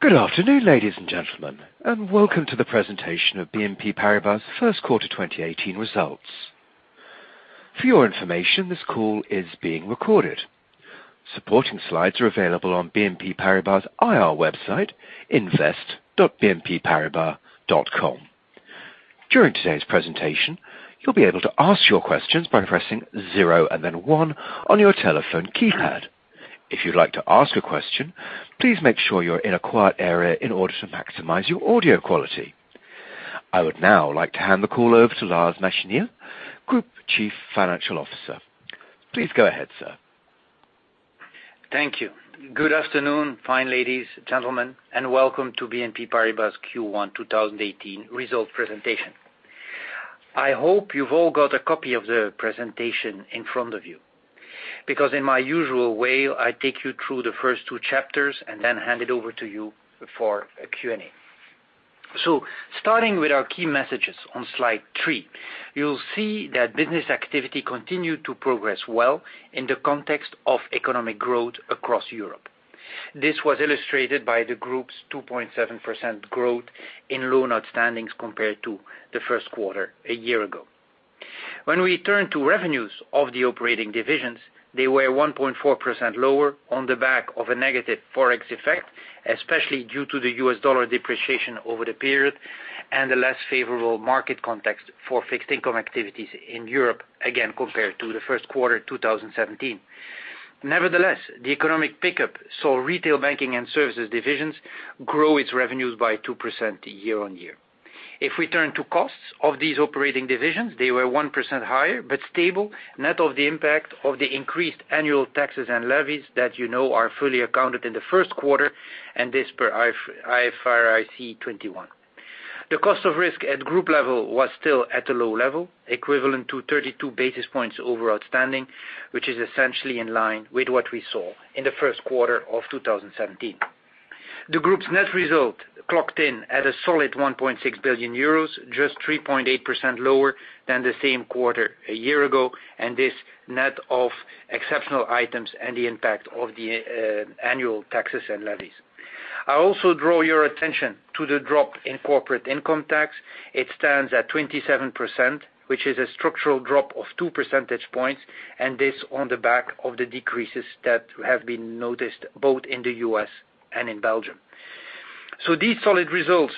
Good afternoon, ladies and gentlemen, welcome to the presentation of BNP Paribas' first quarter 2018 results. For your information, this call is being recorded. Supporting slides are available on BNP Paribas IR website, invest.bnpparibas.com. During today's presentation, you'll be able to ask your questions by pressing zero and then one on your telephone keypad. If you'd like to ask a question, please make sure you're in a quiet area in order to maximize your audio quality. I would now like to hand the call over to Lars Machenil, Group Chief Financial Officer. Please go ahead, sir. Thank you. Good afternoon, fine ladies, gentlemen, welcome to BNP Paribas Q1 2018 result presentation. I hope you've all got a copy of the presentation in front of you, in my usual way, I take you through the first two chapters and then hand it over to you for a Q&A. Starting with our key messages on slide three, you'll see that business activity continued to progress well in the context of economic growth across Europe. This was illustrated by the group's 2.7% growth in loan outstanding compared to the first quarter a year ago. When we turn to revenues of the operating divisions, they were 1.4% lower on the back of a negative Forex effect, especially due to the US dollar depreciation over the period and the less favorable market context for fixed income activities in Europe, again, compared to the first quarter 2017. The economic pickup saw retail banking and services divisions grow its revenues by 2% year-on-year. If we turn to costs of these operating divisions, they were 1% higher, but stable, net of the impact of the increased annual taxes and levies that you know are fully accounted in the first quarter, and this per IFRIC 21. The cost of risk at group level was still at a low level, equivalent to 32 basis points over outstanding, which is essentially in line with what we saw in the first quarter of 2017. The group's net result clocked in at a solid €1.6 billion, just 3.8% lower than the same quarter a year ago, this net of exceptional items and the impact of the annual taxes and levies. I also draw your attention to the drop in corporate income tax. It stands at 27%, which is a structural drop of two percentage points, this on the back of the decreases that have been noticed both in the U.S. and in Belgium. These solid results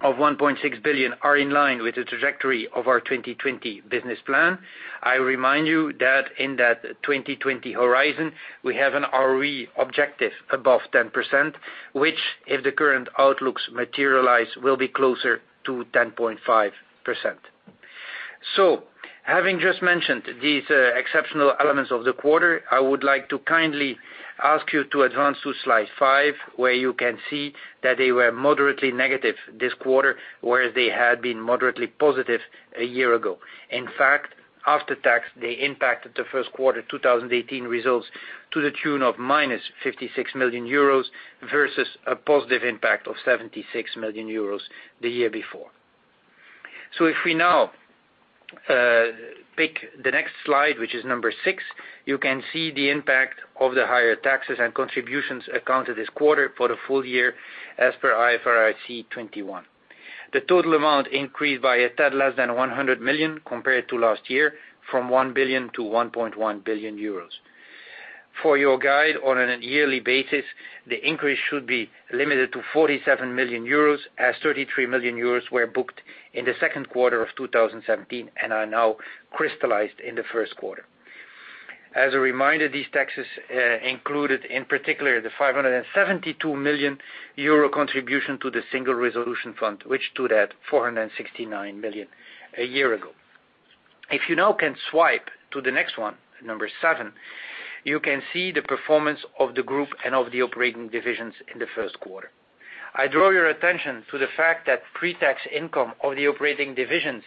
of €1.6 billion are in line with the trajectory of our 2020 business plan. I remind you that in that 2020 horizon, we have an ROE objective above 10%, which, if the current outlooks materialize, will be closer to 10.5%. Having just mentioned these exceptional elements of the quarter, I would like to kindly ask you to advance to slide five, where you can see that they were moderately negative this quarter, whereas they had been moderately positive a year ago. In fact, after tax, they impacted the first quarter 2018 results to the tune of minus €56 million versus a positive impact of €76 million the year before. If we now pick the next slide, which is number 6, you can see the impact of the higher taxes and contributions accounted this quarter for the full year as per IFRIC 21. The total amount increased by a tad less than 100 million compared to last year, from 1 billion to 1.1 billion euros. For your guide, on a yearly basis, the increase should be limited to 47 million euros, as 33 million euros were booked in the second quarter of 2017 and are now crystallized in the first quarter. As a reminder, these taxes included, in particular, the 572 million euro contribution to the Single Resolution Fund, which stood at 469 million a year ago. If you now can swipe to the next one, number 7, you can see the performance of the group and of the operating divisions in the first quarter. I draw your attention to the fact that pre-tax income of the operating divisions,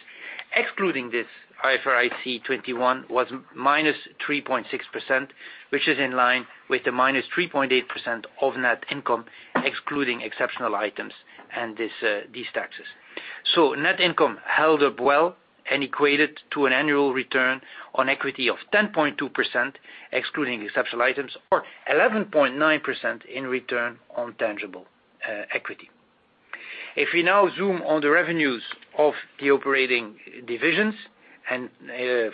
excluding this IFRIC 21, was -3.6%, which is in line with the -3.8% of net income, excluding exceptional items and these taxes. Net income held up well and equated to an annual return on equity of 10.2%, excluding exceptional items, or 11.9% in return on tangible equity. If we now zoom on the revenues of the operating divisions, and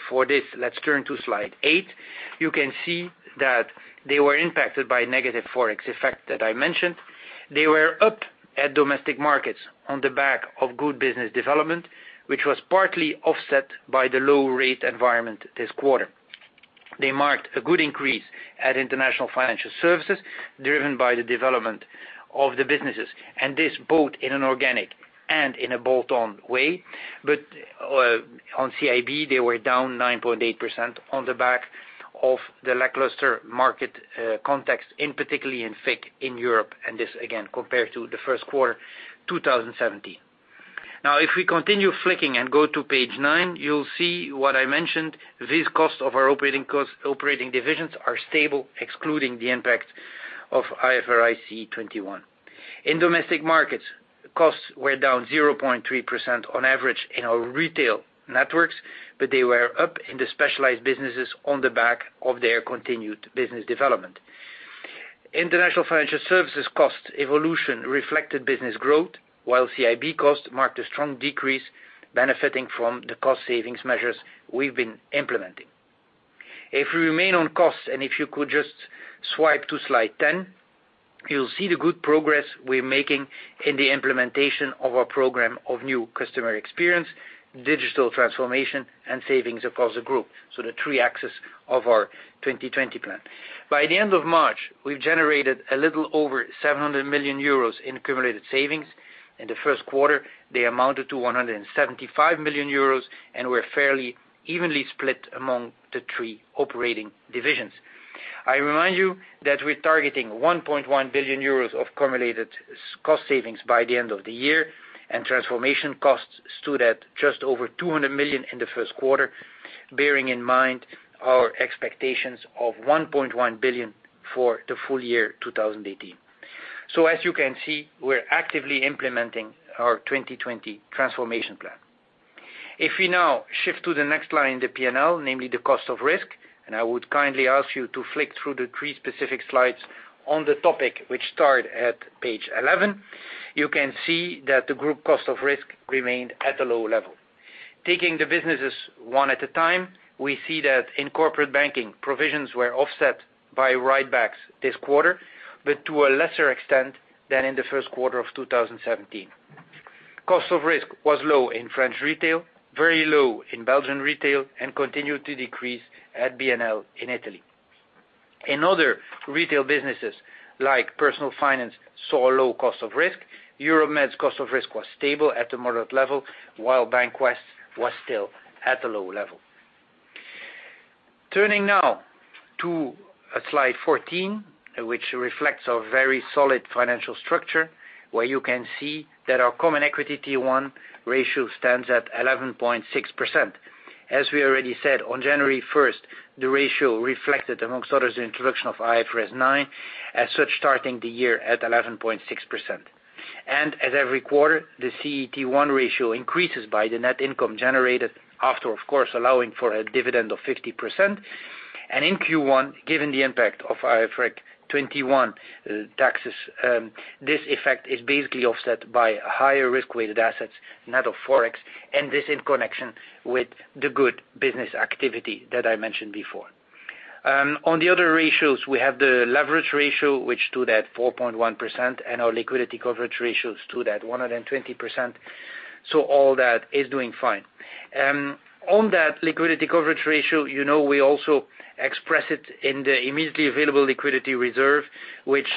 for this, let's turn to slide eight, you can see that they were impacted by negative Forex effect that I mentioned. They were up at Domestic Markets on the back of good business development, which was partly offset by the low rate environment this quarter. They marked a good increase at International Financial Services driven by the development of the businesses, and this both in an organic and in a bolt-on way. On CIB, they were down 9.8% on the back of the lackluster market context, in particularly in FIC in Europe, and this again, compared to the first quarter 2017. If we continue flicking and go to page nine, you'll see what I mentioned, these costs of our operating divisions are stable, excluding the impact of IFRIC 21. In Domestic Markets, costs were down 0.3% on average in our retail networks, but they were up in the specialized businesses on the back of their continued business development. International Financial Services cost evolution reflected business growth, while CIB costs marked a strong decrease benefiting from the cost savings measures we've been implementing. If we remain on costs, and if you could just swipe to slide 10, you'll see the good progress we're making in the implementation of our program of new customer experience, digital transformation, and savings across the group. The three axes of our 2020 Plan. By the end of March, we've generated a little over 700 million euros in accumulated savings. In the first quarter, they amounted to 175 million euros and were fairly evenly split among the three operating divisions. I remind you that we're targeting 1.1 billion euros of accumulated cost savings by the end of the year, and transformation costs stood at just over 200 million in the first quarter, bearing in mind our expectations of 1.1 billion for the full year 2018. As you can see, we're actively implementing our 2020 Transformation Plan. If we now shift to the next line in the P&L, namely the cost of risk, I would kindly ask you to flick through the three specific slides on the topic, which start at page 11, you can see that the group cost of risk remained at a low level. Taking the businesses one at a time, we see that in corporate banking, provisions were offset by write-backs this quarter, but to a lesser extent than in the first quarter of 2017. Cost of risk was low in French retail, very low in Belgian retail, and continued to decrease at BNL in Italy. In other retail businesses, like Personal Finance, saw low cost of risk. Europe-Med's cost of risk was stable at a moderate level, while BancWest was still at a low level. Turning now to slide 14, which reflects our very solid financial structure, where you can see that our common equity T1 ratio stands at 11.6%. As we already said, on January 1st, the ratio reflected, amongst others, the introduction of IFRS 9, as such, starting the year at 11.6%. As every quarter, the CET1 ratio increases by the net income generated after, of course, allowing for a dividend of 50%. In Q1, given the impact of IFRIC 21 taxes, this effect is basically offset by higher risk-weighted assets, net of ForEx, and this in connection with the good business activity that I mentioned before. On the other ratios, we have the leverage ratio, which stood at 4.1%, and our liquidity coverage ratios stood at 120%. All that is doing fine. On that liquidity coverage ratio, you know we also express it in the immediately available liquidity reserve, which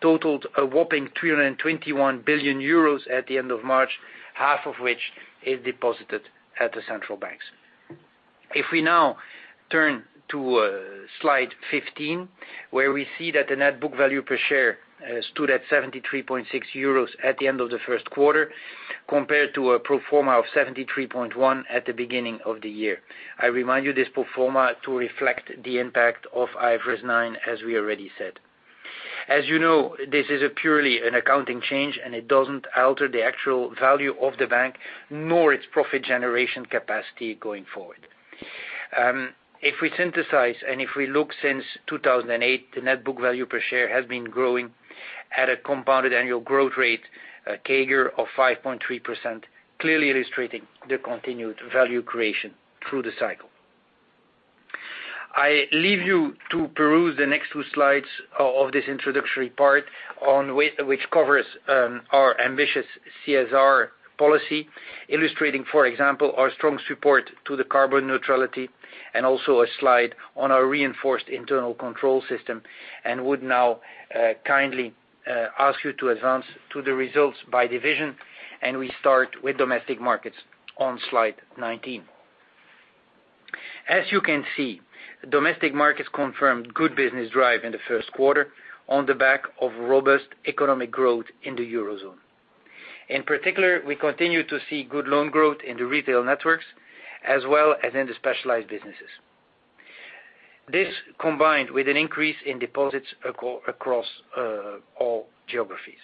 totaled a whopping 221 billion euros at the end of March, half of which is deposited at the central banks. If we now turn to slide 15, where we see that the net book value per share stood at 73.6 euros at the end of the first quarter, compared to a pro forma of 73.1 at the beginning of the year. I remind you, this pro forma to reflect the impact of IFRS 9, as we already said. As you know, this is purely an accounting change, and it doesn't alter the actual value of the bank, nor its profit generation capacity going forward. If we synthesize and if we look since 2008, the net book value per share has been growing at a compounded annual growth rate, CAGR, of 5.3%, clearly illustrating the continued value creation through the cycle. I leave you to peruse the next two slides of this introductory part which covers our ambitious CSR policy, illustrating, for example, our strong support to the carbon neutrality, and also a slide on our reinforced internal control system. Would now kindly ask you to advance to the results by division, and we start with domestic markets on slide 19. As you can see, domestic markets confirmed good business drive in the first quarter on the back of robust economic growth in the Eurozone. In particular, we continue to see good loan growth in the retail networks as well as in the specialized businesses. This combined with an increase in deposits across all geographies.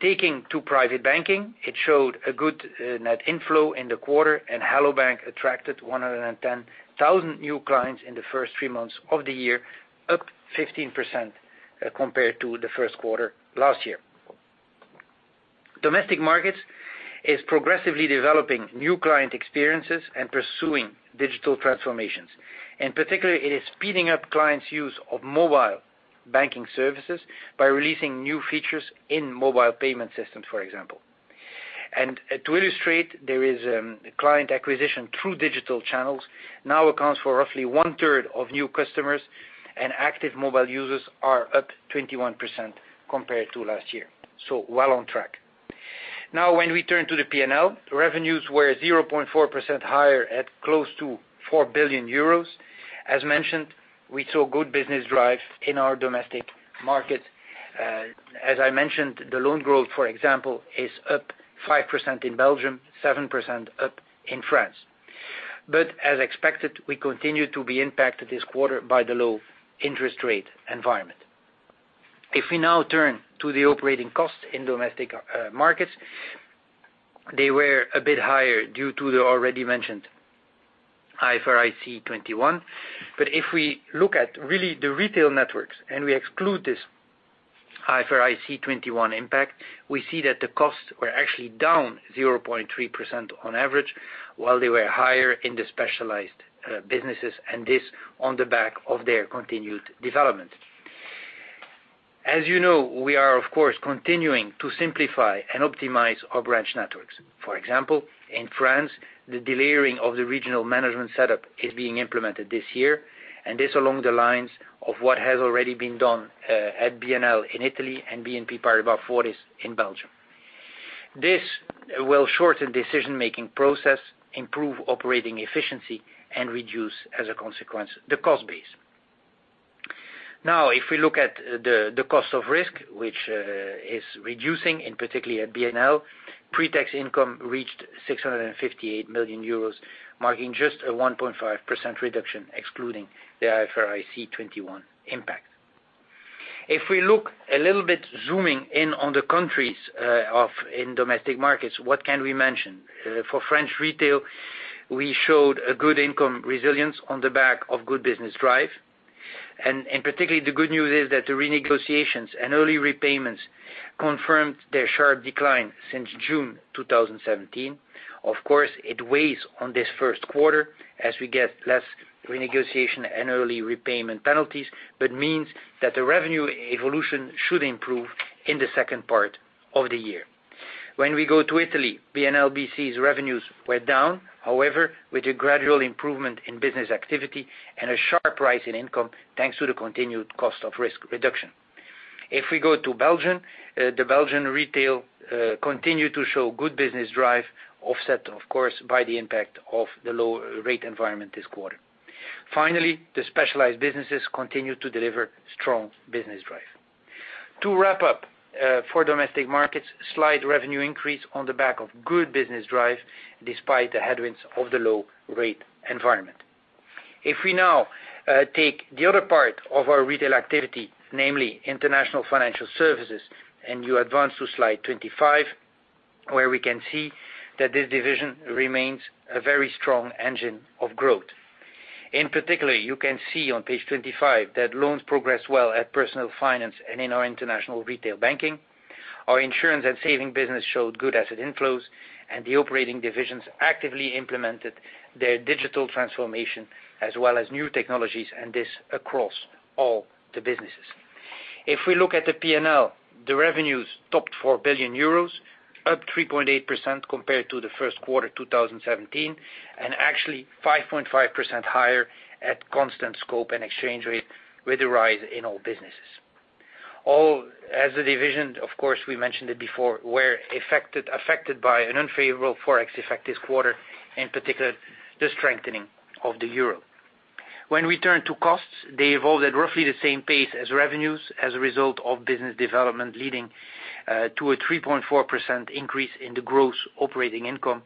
Taking to private banking, it showed a good net inflow in the quarter. Hello bank! attracted 110,000 new clients in the first three months of the year, up 15% compared to the first quarter last year. Domestic markets is progressively developing new client experiences and pursuing digital transformations. In particular, it is speeding up clients' use of mobile banking services by releasing new features in mobile payment systems, for example. To illustrate, client acquisition through digital channels now accounts for roughly one-third of new customers and active mobile users are up 21% compared to last year, so well on track. When we turn to the P&L, revenues were 0.4% higher at close to 4 billion euros. As mentioned, we saw good business drive in our domestic market. As I mentioned, the loan growth, for example, is up 5% in Belgium, 7% up in France. As expected, we continue to be impacted this quarter by the low interest rate environment. If we now turn to the operating costs in Domestic Markets, they were a bit higher due to the already mentioned IFRIC 21. If we look at really the retail networks and we exclude this IFRIC 21 impact, we see that the costs were actually down 0.3% on average, while they were higher in the specialized businesses, this on the back of their continued development. As you know, we are, of course, continuing to simplify and optimize our branch networks. For example, in France, the delayering of the regional management setup is being implemented this year, this along the lines of what has already been done at BNL in Italy and BNP Paribas Fortis in Belgium. This will shorten decision-making process, improve operating efficiency, and reduce, as a consequence, the cost base. If we look at the cost of risk, which is reducing in particularly at BNL, pre-tax income reached 658 million euros, marking just a 1.5% reduction excluding the IFRIC 21 impact. If we look a little bit, zooming in on the countries in Domestic Markets, what can we mention? For French retail, we showed a good income resilience on the back of good business drive. Particularly, the good news is that the renegotiations and early repayments confirmed their sharp decline since June 2017. Of course, it weighs on this first quarter as we get less renegotiation and early repayment penalties, means that the revenue evolution should improve in the second part of the year. When we go to Italy, BNL BC's revenues were down. However, with a gradual improvement in business activity and a sharp rise in income, thanks to the continued cost of risk reduction. If we go to Belgium, the Belgian retail continued to show good business drive, offset, of course, by the impact of the low rate environment this quarter. Finally, the specialized businesses continued to deliver strong business drive. To wrap up, for Domestic Markets, slight revenue increase on the back of good business drive, despite the headwinds of the low rate environment. If we now take the other part of our retail activity, namely International Financial Services, and you advance to slide 25, where we can see that this division remains a very strong engine of growth. In particular, you can see on page 25 that loans progressed well at Personal Finance and in our International Retail Banking. Our insurance and saving business showed good asset inflows, and the operating divisions actively implemented their digital transformation as well as new technologies, and this across all the businesses. If we look at the P&L, the revenues topped €4 billion, up 3.8% compared to the first quarter 2017, and actually 5.5% higher at constant scope and exchange rate with the rise in all businesses. All as a division, of course, we mentioned it before, were affected by an unfavorable Forex effect this quarter, in particular, the strengthening of the euro. When we turn to costs, they evolved at roughly the same pace as revenues as a result of business development, leading to a 3.4% increase in the gross operating income,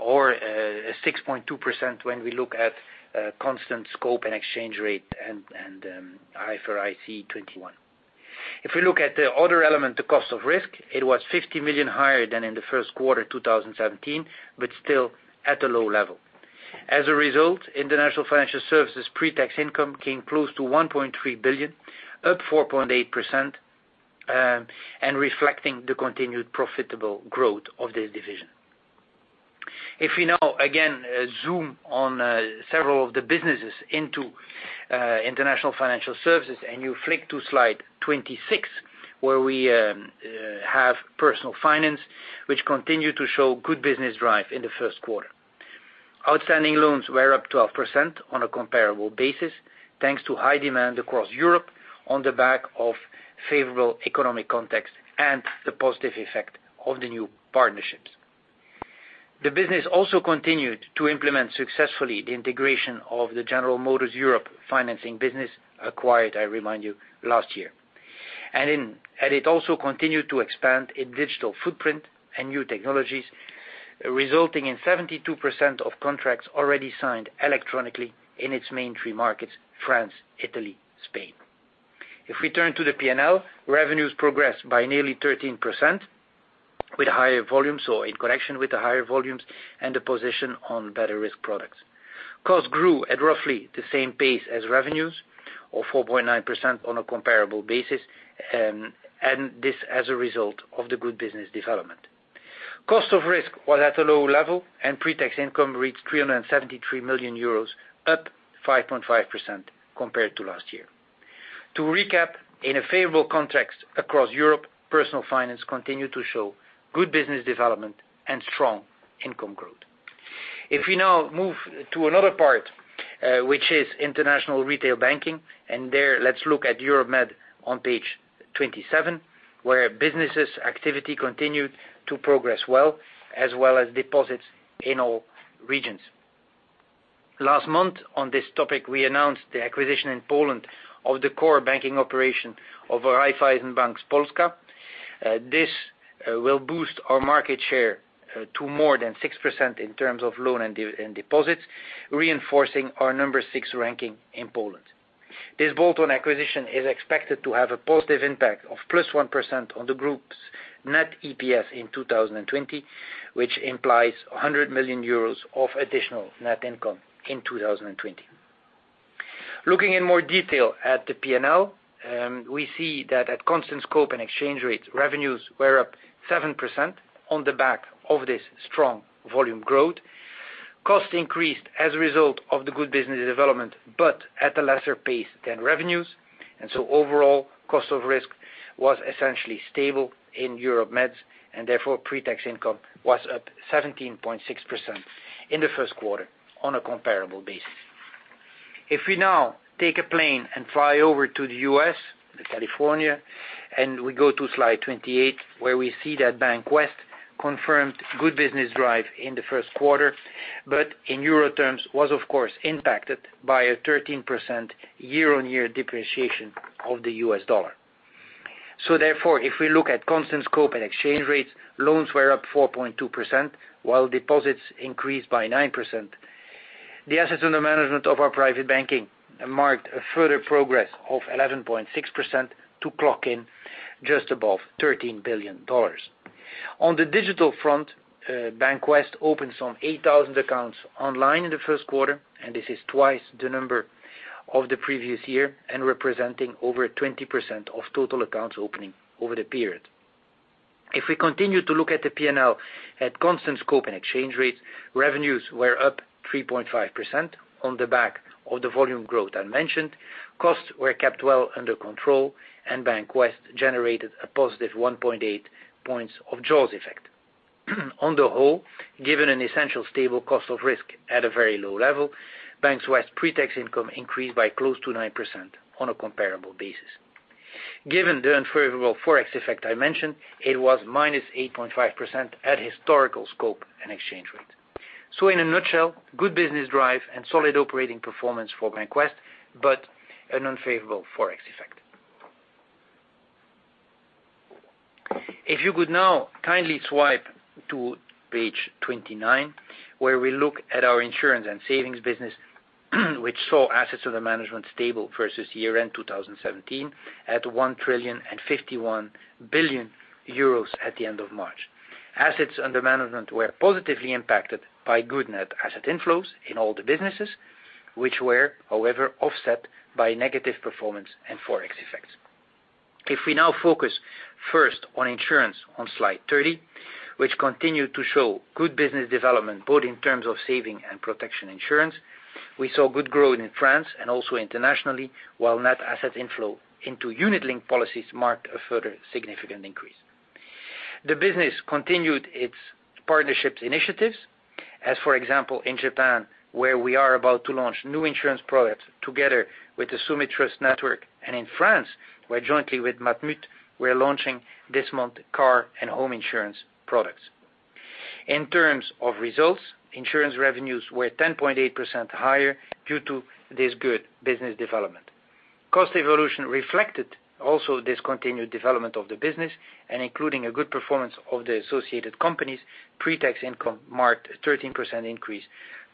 or a 6.2% when we look at constant scope and exchange rate and IFRIC 21. If we look at the other element, the cost of risk, it was 50 million higher than in the first quarter 2017, but still at a low level. As a result, International Financial Services pre-tax income came close to 1.3 billion, up 4.8%, and reflecting the continued profitable growth of this division. If we now, again, zoom on several of the businesses into International Financial Services, and you flick to slide 26, where we have Personal Finance, which continued to show good business drive in the first quarter. Outstanding loans were up 12% on a comparable basis, thanks to high demand across Europe on the back of favorable economic context and the positive effect of the new partnerships. The business also continued to implement successfully the integration of the General Motors Europe financing business acquired, I remind you, last year. It also continued to expand its digital footprint and new technologies, resulting in 72% of contracts already signed electronically in its main three markets, France, Italy, Spain. If we turn to the P&L, revenues progressed by nearly 13% with higher volumes or in connection with the higher volumes, and the position on better risk products. Costs grew at roughly the same pace as revenues or 4.9% on a comparable basis, and this as a result of the good business development. Cost of risk was at a low level and pre-tax income reached €373 million, up 5.5% compared to last year. To recap, in a favorable context across Europe, Personal Finance continued to show good business development and strong income growth. If we now move to another part, which is International Retail Banking, and there, let's look at Europe Med on page 27, where businesses activity continued to progress well, as well as deposits in all regions. Last month on this topic, we announced the acquisition in Poland of the core banking operation of Raiffeisen Bank Polska. This will boost our market share to more than 6% in terms of loan and deposits, reinforcing our number 6 ranking in Poland. This bolt-on acquisition is expected to have a positive impact of plus 1% on the group's net EPS in 2020, which implies €100 million of additional net income in 2020. Looking in more detail at the P&L, we see that at constant scope and exchange rates, revenues were up 7% on the back of this strong volume growth. Costs increased as a result of the good business development, but at a lesser pace than revenues. Overall, cost of risk was essentially stable inEurope-Meds, and therefore pre-tax income was up 17.6% in the first quarter on a comparable basis. If we now take a plane and fly over to the U.S., to California, and we go to slide 28, where we see that BancWest confirmed good business drive in the first quarter, but in EUR terms was, of course, impacted by a 13% year-on-year depreciation of the U.S. dollar. Therefore, if we look at constant scope and exchange rates, loans were up 4.2%, while deposits increased by 9%. The assets under management of our private banking marked a further progress of 11.6% to clock in just above $13 billion. On the digital front, BancWest opens some 8,000 accounts online in the first quarter, and this is twice the number of the previous year and representing over 20% of total accounts opening over the period. If we continue to look at the P&L at constant scope and exchange rates, revenues were up 3.5% on the back of the volume growth I mentioned. Costs were kept well under control, and BancWest generated a positive 1.8 points of jaws effect. On the whole, given an essential stable cost of risk at a very low level, BancWest pre-tax income increased by close to 9% on a comparable basis. Given the unfavorable Forex effect I mentioned, it was -8.5% at historical scope and exchange rate. In a nutshell, good business drive and solid operating performance for BancWest, but an unfavorable Forex effect. If you could now kindly swipe to page 29, where we look at our insurance and savings business, which saw assets under management stable versus year-end 2017 at 1.051 trillion at the end of March. Assets under management were positively impacted by good net asset inflows in all the businesses, which were, however, offset by negative performance and Forex effects. If we now focus first on insurance on slide 30, which continued to show good business development, both in terms of saving and protection insurance. We saw good growth in France and also internationally, while net asset inflow into unit-linked policies marked a further significant increase. The business continued its partnerships initiatives, as for example, in Japan, where we are about to launch new insurance products together with the Sumitomo Mitsui Trust Network, and in France, where jointly with Matmut, we are launching this month car and home insurance products. In terms of results, insurance revenues were 10.8% higher due to this good business development. Cost evolution reflected also this continued development of the business and including a good performance of the associated companies, pre-tax income marked a 13% increase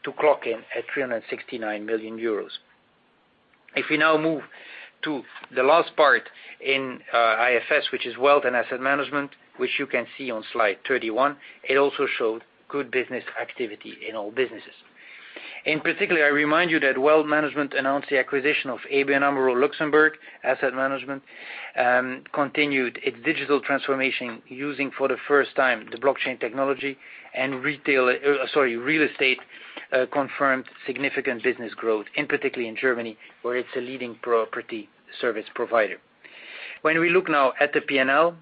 to clock in at 369 million euros. If we now move to the last part in IFS, which is wealth and asset management, which you can see on slide 31, it also showed good business activity in all businesses. In particular, I remind you that wealth management announced the acquisition of ABN AMRO Luxembourg Asset Management, continued its digital transformation using for the first time the blockchain technology and real estate confirmed significant business growth, particularly in Germany, where it's a leading property service provider. When we look now at the P&L,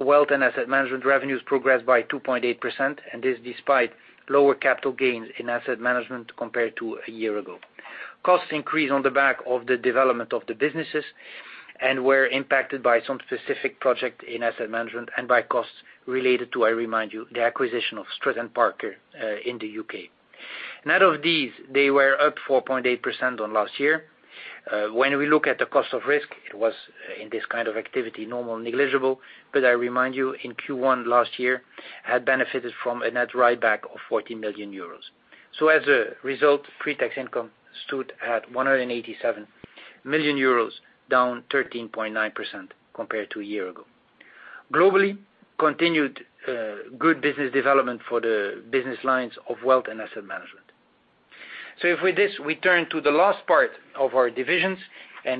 wealth and asset management revenues progressed by 2.8%, this despite lower capital gains in asset management compared to a year ago. Costs increased on the back of the development of the businesses and were impacted by some specific project in asset management and by costs related to, I remind you, the acquisition of Strutt & Parker in the U.K. Net of these, they were up 4.8% on last year. When we look at the cost of risk, it was in this kind of activity, normal negligible, I remind you, in Q1 last year, had benefited from a net write-back of 40 million euros. As a result, pre-tax income stood at 187 million euros, down 13.9% compared to a year ago. Globally, continued good business development for the business lines of wealth and asset management. With this, we turn to the last part of our divisions,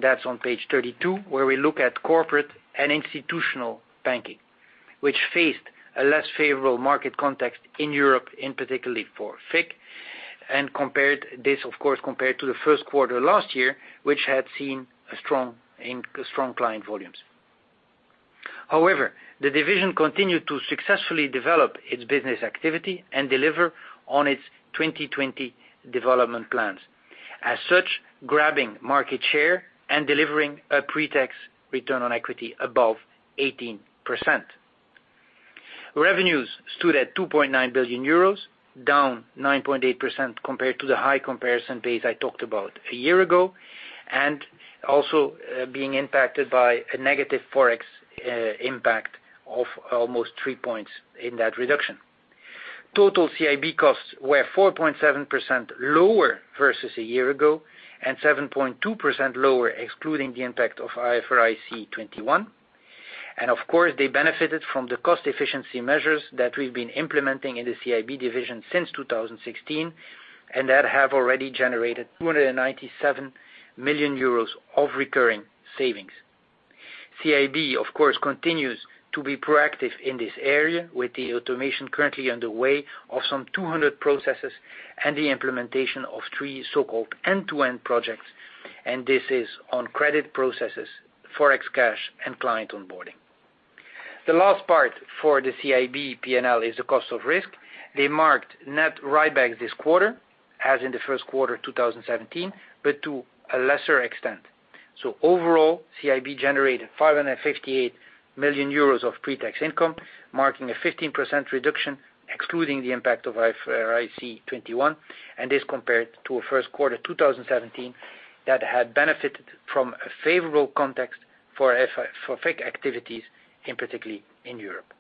that's on page 32, where we look at corporate and institutional banking, which faced a less favorable market context in Europe, in particular for FIC, this, of course, compared to the first quarter last year, which had seen strong client volumes. However, the division continued to successfully develop its business activity and deliver on its 2020 development plans. As such, grabbing market share and delivering a pre-tax return on equity above 18%. Revenues stood at 2.9 billion euros, down 9.8% compared to the high comparison base I talked about a year ago, also being impacted by a negative Forex impact of almost three points in that reduction. Total CIB costs were 4.7% lower versus a year ago, 7.2% lower, excluding the impact of IFRIC 21. Of course, they benefited from the cost efficiency measures that we've been implementing in the CIB division since 2016, that have already generated 297 million euros of recurring savings. CIB, of course, continues to be proactive in this area, with the automation currently underway of some 200 processes and the implementation of three so-called end-to-end projects, this is on credit processes, Forex cash, and client onboarding. The last part for the CIB P&L is the cost of risk. They marked net write-backs this quarter, as in the first quarter 2017, to a lesser extent. Overall, CIB generated 558 million euros of pre-tax income, marking a 15% reduction excluding the impact of IFRIC 21, this compared to a first quarter 2017 that had benefited from a favorable context for FIC activities in particular in Europe.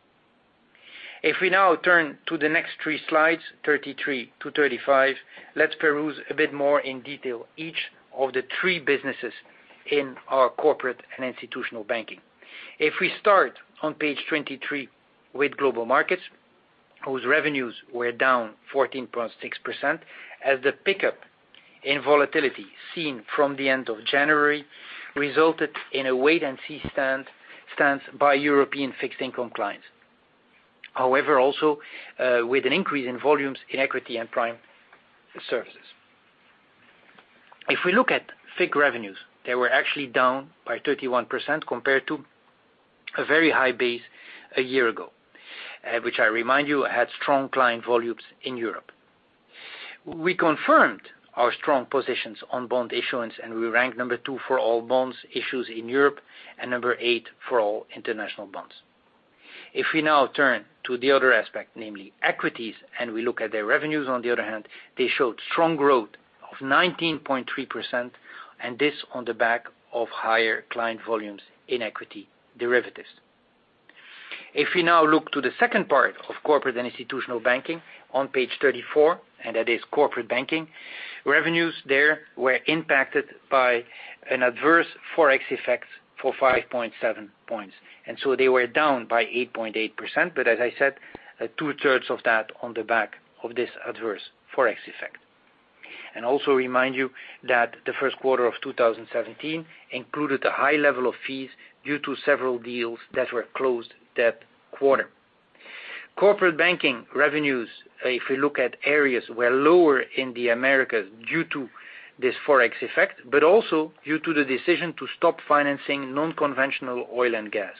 We now turn to the next three slides, 33-35, let's peruse a bit more in detail each of the three businesses in our corporate and institutional banking. We start on page 23 with global markets, whose revenues were down 14.6%, as the pickup in volatility seen from the end of January resulted in a wait and see stance by European fixed income clients. However, also with an increase in volumes in equity and prime services. If we look at FIC revenues, they were actually down by 31% compared to a very high base a year ago, which I remind you had strong client volumes in Europe. We confirmed our strong positions on bond issuance, and we ranked number two for all bonds issues in Europe and number eight for all international bonds. If we now turn to the other aspect, namely equities, and we look at their revenues on the other hand, they showed strong growth of 19.3%, and this on the back of higher client volumes in equity derivatives. If we now look to the second part of corporate and institutional banking on page 34, and that is corporate banking, revenues there were impacted by an adverse Forex effect for 5.7 points, and so they were down by 8.8%, but as I said, two-thirds of that on the back of this adverse Forex effect. Also remind you that the first quarter of 2017 included a high level of fees due to several deals that were closed that quarter. Corporate banking revenues, if you look at areas, were lower in the Americas due to this Forex effect, but also due to the decision to stop financing non-conventional oil and gas.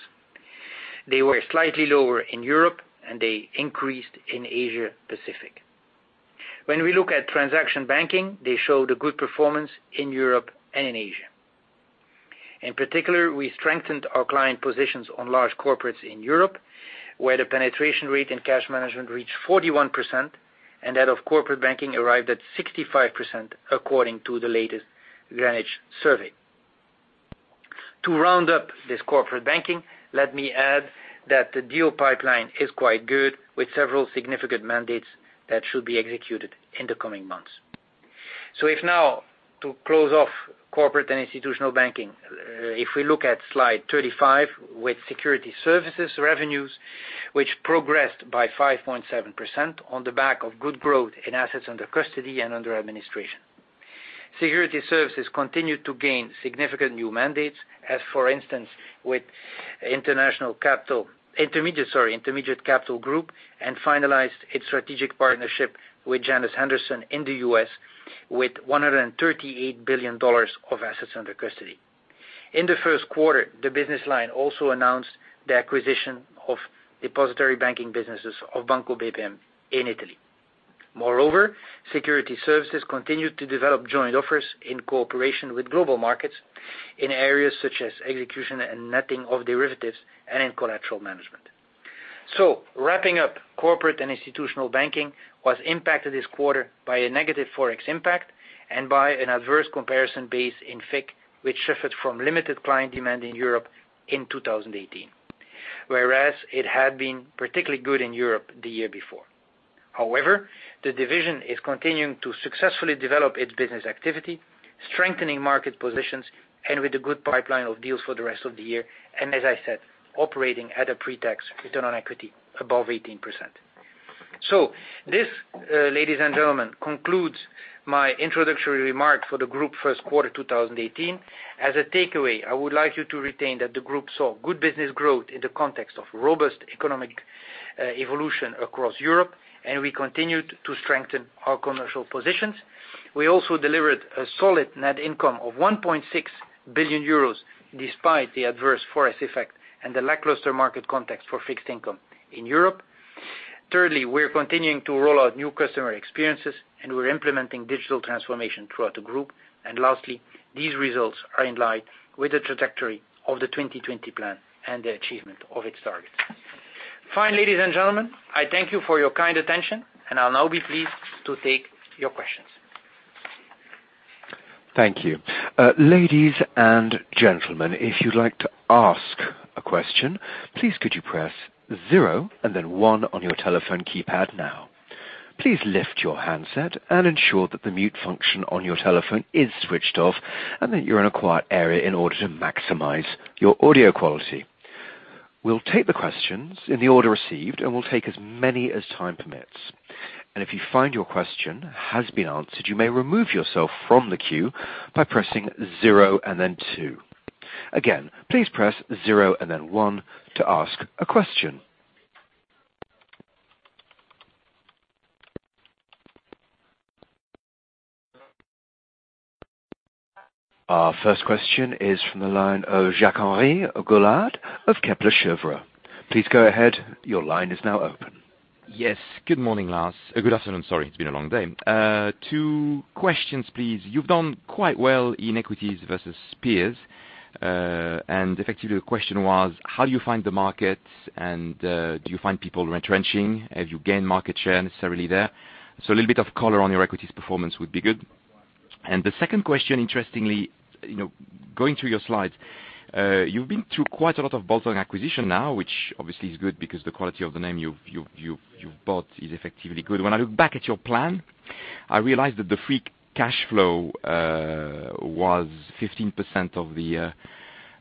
They were slightly lower in Europe and they increased in Asia-Pacific. When we look at transaction banking, they showed a good performance in Europe and in Asia. In particular, we strengthened our client positions on large corporates in Europe, where the penetration rate in cash management reached 41%, and that of corporate banking arrived at 65% according to the latest Coalition Greenwich survey. To round up this corporate banking, let me add that the deal pipeline is quite good, with several significant mandates that should be executed in the coming months. If now to close off corporate and institutional banking, if we look at slide 35 with security services revenues, which progressed by 5.7% on the back of good growth in assets under custody and under administration. Security services continued to gain significant new mandates as, for instance, with Intermediate Capital Group, and finalized its strategic partnership with Janus Henderson in the U.S. with EUR 138 billion of assets under custody. In the first quarter, the business line also announced the acquisition of depository banking businesses of Banco BPM in Italy. Moreover, security services continued to develop joint offers in cooperation with global markets in areas such as execution and netting of derivatives and in collateral management. Wrapping up corporate and institutional banking was impacted this quarter by a negative Forex impact and by an adverse comparison base in FIC, which shifted from limited client demand in Europe in 2018. Whereas it had been particularly good in Europe the year before. However, the division is continuing to successfully develop its business activity, strengthening market positions, and with a good pipeline of deals for the rest of the year, and as I said, operating at a pre-tax return on equity above 18%. This, ladies and gentlemen, concludes my introductory remarks for the group first quarter 2018. As a takeaway, I would like you to retain that the group saw good business growth in the context of robust economic evolution across Europe, and we continued to strengthen our commercial positions. We also delivered a solid net income of 1.6 billion euros despite the adverse Forex effect and the lackluster market context for fixed income in Europe. Thirdly, we're continuing to roll out new customer experiences, and we're implementing digital transformation throughout the group. Lastly, these results are in line with the trajectory of the 2020 plan and the achievement of its targets. Fine, ladies and gentlemen. I thank you for your kind attention, and I'll now be pleased to take your questions. Thank you. Ladies and gentlemen, if you'd like to ask a question, please could you press zero and then one on your telephone keypad now. Please lift your handset and ensure that the mute function on your telephone is switched off, and that you're in a quiet area in order to maximize your audio quality. We'll take the questions in the order received, and we'll take as many as time permits. If you find your question has been answered, you may remove yourself from the queue by pressing zero and then two. Again, please press zero and then one to ask a question. Our first question is from the line of Jacques-Henri Gaulard of Kepler Cheuvreux. Please go ahead. Your line is now open. Yes. Good morning, Lars. Good afternoon. Sorry, it's been a long day. Two questions, please. You've done quite well in equities versus peers. Effectively the question was, how do you find the markets, and do you find people retrenching? Have you gained market share necessarily there? A little bit of color on your equities performance would be good. The second question, interestingly, going through your slides, you've been through quite a lot of bolt-on acquisition now, which obviously is good because the quality of the name you've bought is effectively good. When I look back at your plan, I realized that the free cash flow was 15% of the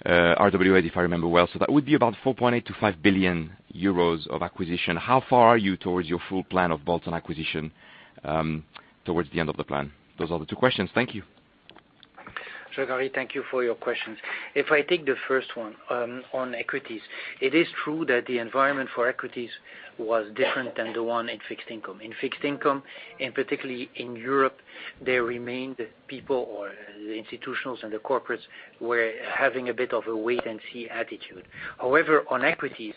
RWA, if I remember well. That would be about 4.8 billion-5 billion euros of acquisition. How far are you towards your full plan of bolt-on acquisition towards the end of the plan? Those are the two questions. Thank you. Jacques-Henri Gaulard, thank you for your questions. If I take the first one on equities, it is true that the environment for equities was different than the one in fixed income. In fixed income, and particularly in Europe, there remained people or the institutions and the corporates were having a bit of a wait-and-see attitude. However, on equities,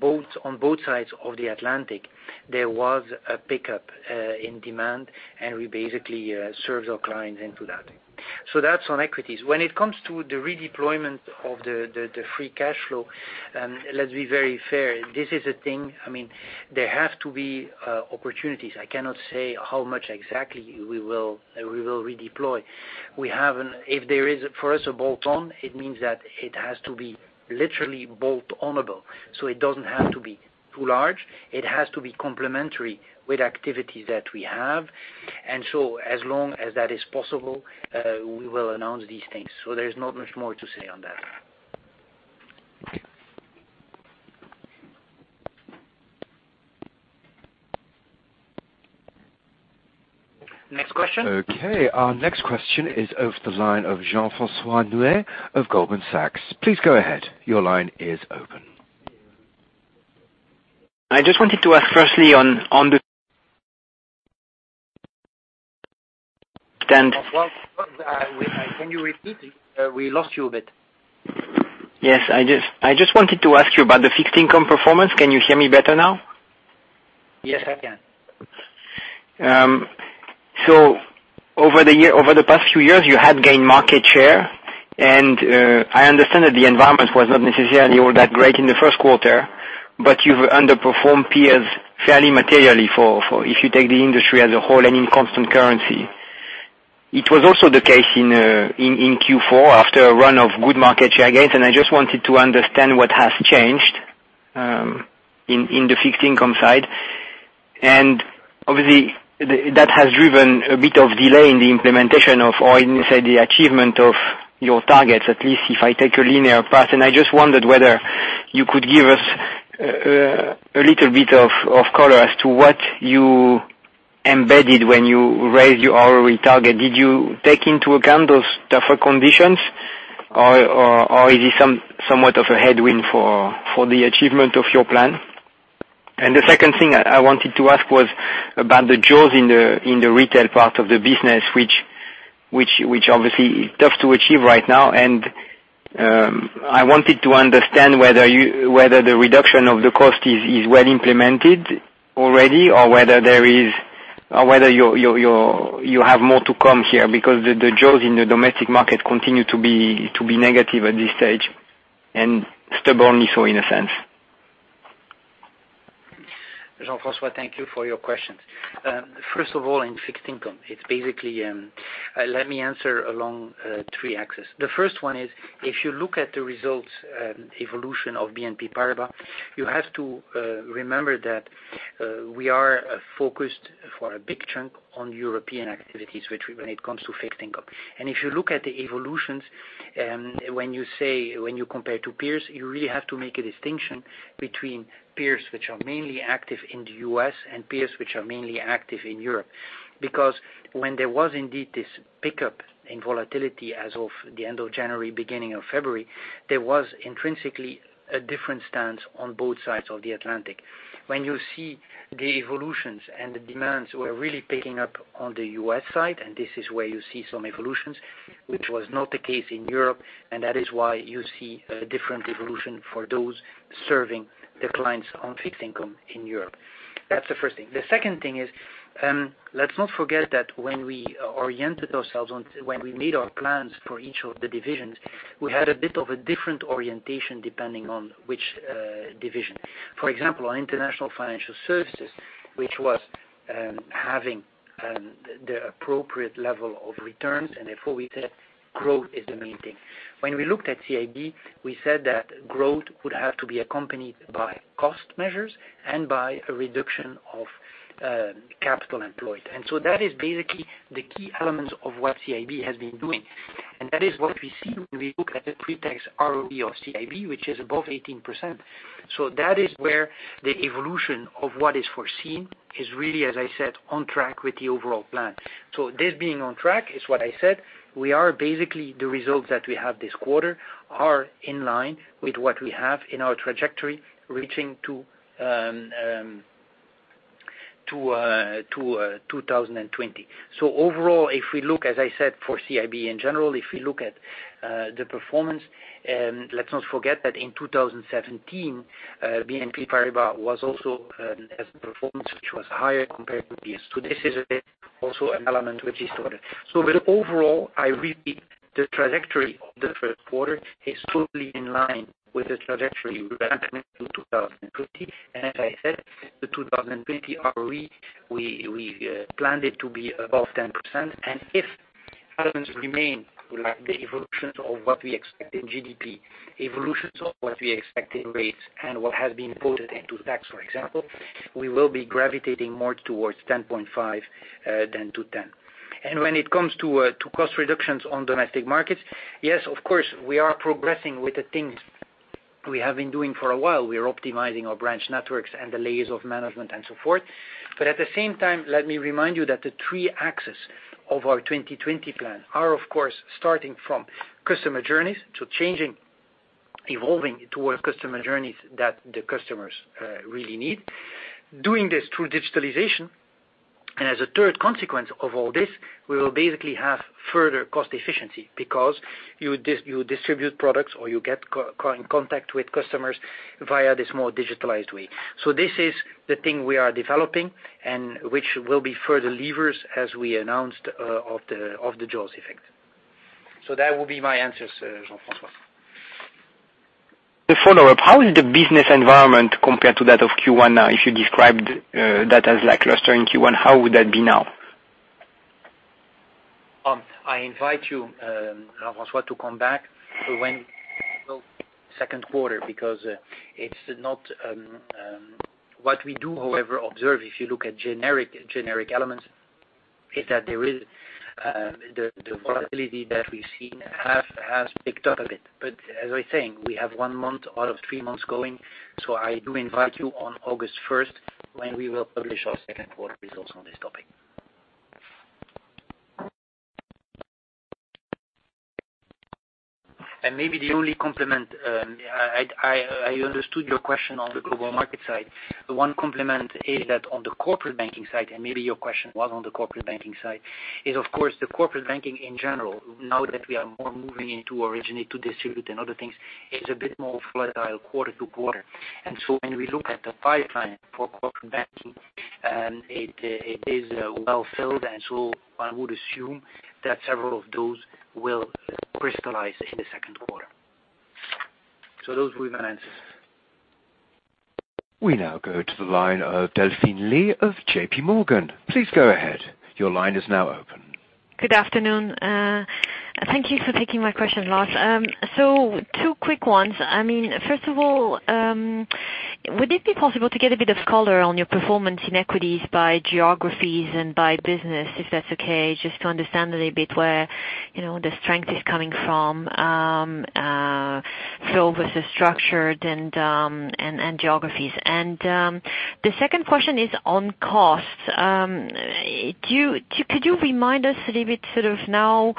on both sides of the Atlantic, there was a pickup in demand and we basically served our clients into that. That's on equities. When it comes to the redeployment of the free cash flow, let's be very fair. This is a thing. There have to be opportunities. I cannot say how much exactly we will redeploy. If there is, for us, a bolt-on, it means that it has to be literally bolt-onable. It doesn't have to be too large. It has to be complementary with activities that we have. As long as that is possible, we will announce these things. There's not much more to say on that. Next question. Okay. Our next question is of the line of Jean-Francois Neukomm of Goldman Sachs. Please go ahead. Your line is open. I just wanted to ask firstly on the Well, can you repeat? We lost you a bit. Yes. I just wanted to ask you about the fixed income performance. Can you hear me better now? Yes, I can. Over the past few years, you had gained market share, and I understand that the environment was not necessarily all that great in the first quarter, but you've underperformed peers fairly materially, if you take the industry as a whole and in constant currency. It was also the case in Q4 after a run of good market share gains, and I just wanted to understand what has changed in the fixed income side. Obviously, that has driven a bit of delay in the implementation of, or in, say, the achievement of your targets, at least if I take a linear path, and I just wondered whether you could give us a little bit of color as to what you embedded when you raised your ROE target. Did you take into account those tougher conditions, or is it somewhat of a headwind for the achievement of your plan? The second thing I wanted to ask was about the jaws in the retail part of the business, which obviously is tough to achieve right now. I wanted to understand whether the reduction of the cost is well implemented already, or whether you have more to come here because the jaws in the domestic market continue to be negative at this stage, and stubbornly so in a sense. Jean-Francois, thank you for your questions. First of all, in fixed income, let me answer along three axes. The first one is, if you look at the results evolution of BNP Paribas, you have to remember that we are focused for a big chunk on European activities when it comes to fixed income. If you look at the evolutions, when you compare to peers, you really have to make a distinction between peers which are mainly active in the U.S. and peers which are mainly active in Europe. When there was indeed this pickup in volatility as of the end of January, beginning of February, there was intrinsically a different stance on both sides of the Atlantic. You see the evolutions and the demands were really picking up on the U.S. side, and this is where you see some evolutions, which was not the case in Europe, and that is why you see a different evolution for those serving their clients on fixed income in Europe. That's the first thing. The second thing is, let's not forget that when we oriented ourselves, when we made our plans for each of the divisions, we had a bit of a different orientation depending on which division. For example, our International Financial Services, which was having the appropriate level of returns, and therefore we said growth is the main thing. When we looked at CIB, we said that growth would have to be accompanied by cost measures and by a reduction of capital employed. That is basically the key elements of what CIB has been doing. That is what we see when we look at the pre-tax ROE of CIB, which is above 18%. That is where the evolution of what is foreseen is really, as I said, on track with the overall plan. This being on track is what I said, we are basically the results that we have this quarter are in line with what we have in our trajectory reaching to 2020. Overall, if we look, as I said, for CIB in general, if we look at the performance, let's not forget that in 2017, BNP Paribas was also as a performance which was higher compared to this. This is also an element which is ordered. But overall, I repeat, the trajectory of the first quarter is totally in line with the trajectory we are implementing to 2020. As I said, the 2020 ROE, we planned it to be above 10%. If elements remain, like the evolutions of what we expect in GDP, evolutions of what we expect in rates and what has been put into tax, for example, we will be gravitating more towards 10.5 than to 10. When it comes to cost reductions on domestic markets, yes, of course, we are progressing with the things we have been doing for a while. We are optimizing our branch networks and the layers of management and so forth. At the same time, let me remind you that the three axes of our 2020 plan are, of course, starting from customer journeys to changing, evolving towards customer journeys that the customers really need. Doing this through digitalization. As a third consequence of all this, we will basically have further cost efficiency because you distribute products or you get in contact with customers via this more digitalized way. This is the thing we are developing and which will be further levers as we announced of the jaws effect. That will be my answer, Jean-Francois. The follow-up, how is the business environment compared to that of Q1 now? If you described that as lackluster in Q1, how would that be now? I invite you, Jean-Francois, to come back for when second quarter because it's not What we do, however, observe if you look at generic elements is that the volatility that we've seen has picked up a bit. As I think we have one month out of three months going, I do invite you on August 1st when we will publish our second quarter results on this topic. Maybe the only compliment, I understood your question on the global market side. The one compliment is that on the corporate banking side, and maybe your question was on the corporate banking side, is, of course, the corporate banking in general. Now that we are more moving into originate to distribute and other things, is a bit more volatile quarter to quarter. When we look at the pipeline for corporate banking, it is well filled, one would assume that several of those will crystallize in the second quarter. Those were the answers. We now go to the line of Delphine Lee of J.P. Morgan. Please go ahead. Your line is now open. Good afternoon. Thank you for taking my question Lars. Two quick ones. First of all, would it be possible to get a bit of color on your performance in equities by geographies and by business, if that's okay, just to understand a little bit where the strength is coming from, with the structured and geographies. The second question is on costs. Could you remind us a little bit sort of now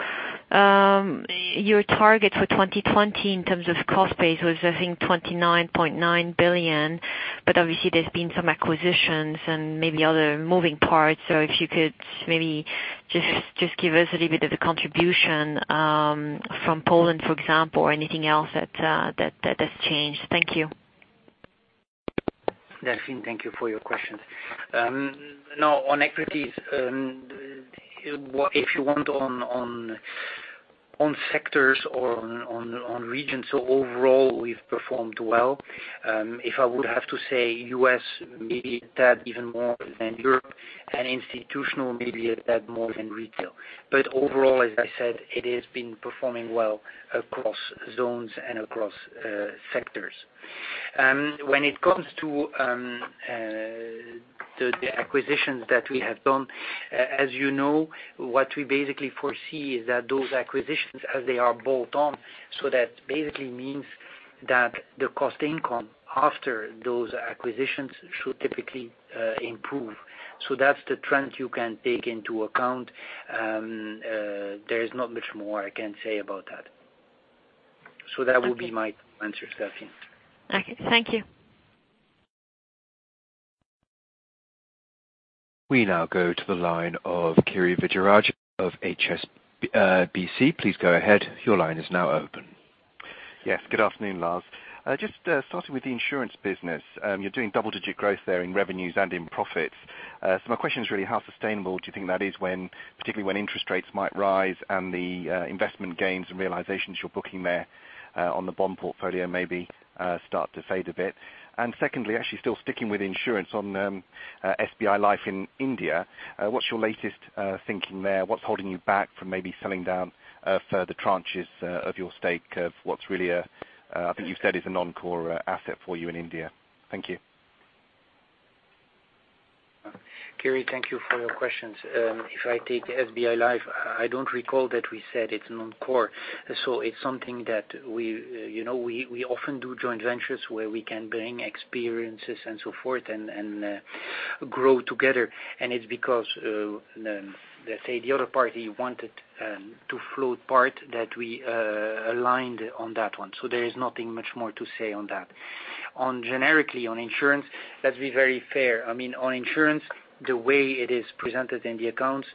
your target for 2020 in terms of cost base was, I think, 29.9 billion, but obviously there's been some acquisitions and maybe other moving parts. If you could maybe just give us a little bit of the contribution from Poland, for example, or anything else that has changed. Thank you. Delphine, thank you for your question. On equities, if you want on sectors or on regions, overall, we've performed well. If I would have to say U.S. maybe a tad even more than Europe, and institutional maybe a tad more than retail. Overall, as I said, it has been performing well across zones and across sectors. When it comes to the acquisitions that we have done, as you know, what we basically foresee is that those acquisitions as they are bolt on, that basically means that the cost income after those acquisitions should typically improve. That's the trend you can take into account. There is not much more I can say about that. That will be my answer, Delphine. Okay. Thank you. We now go to the line of Kirishanthan Vijayarajah of HSBC. Please go ahead. Your line is now open. Yes. Good afternoon, Lars. Just starting with the insurance business. You're doing double-digit growth there in revenues and in profits. My question is really how sustainable do you think that is, particularly when interest rates might rise and the investment gains and realizations you're booking there on the bond portfolio maybe start to fade a bit. Secondly, actually still sticking with insurance on SBI Life in India, what's your latest thinking there? What's holding you back from maybe selling down further tranches of your stake of what's really, I think you said is a non-core asset for you in India. Thank you. Kiri, thank you for your questions. If I take the SBI Life, I don't recall that we said it's non-core. It's something that we often do joint ventures where we can bring experiences and so forth and grow together. It's because, let's say the other party wanted to float part that we aligned on that one. There is nothing much more to say on that. Generically on insurance, let's be very fair. On insurance, the way it is presented in the accounts,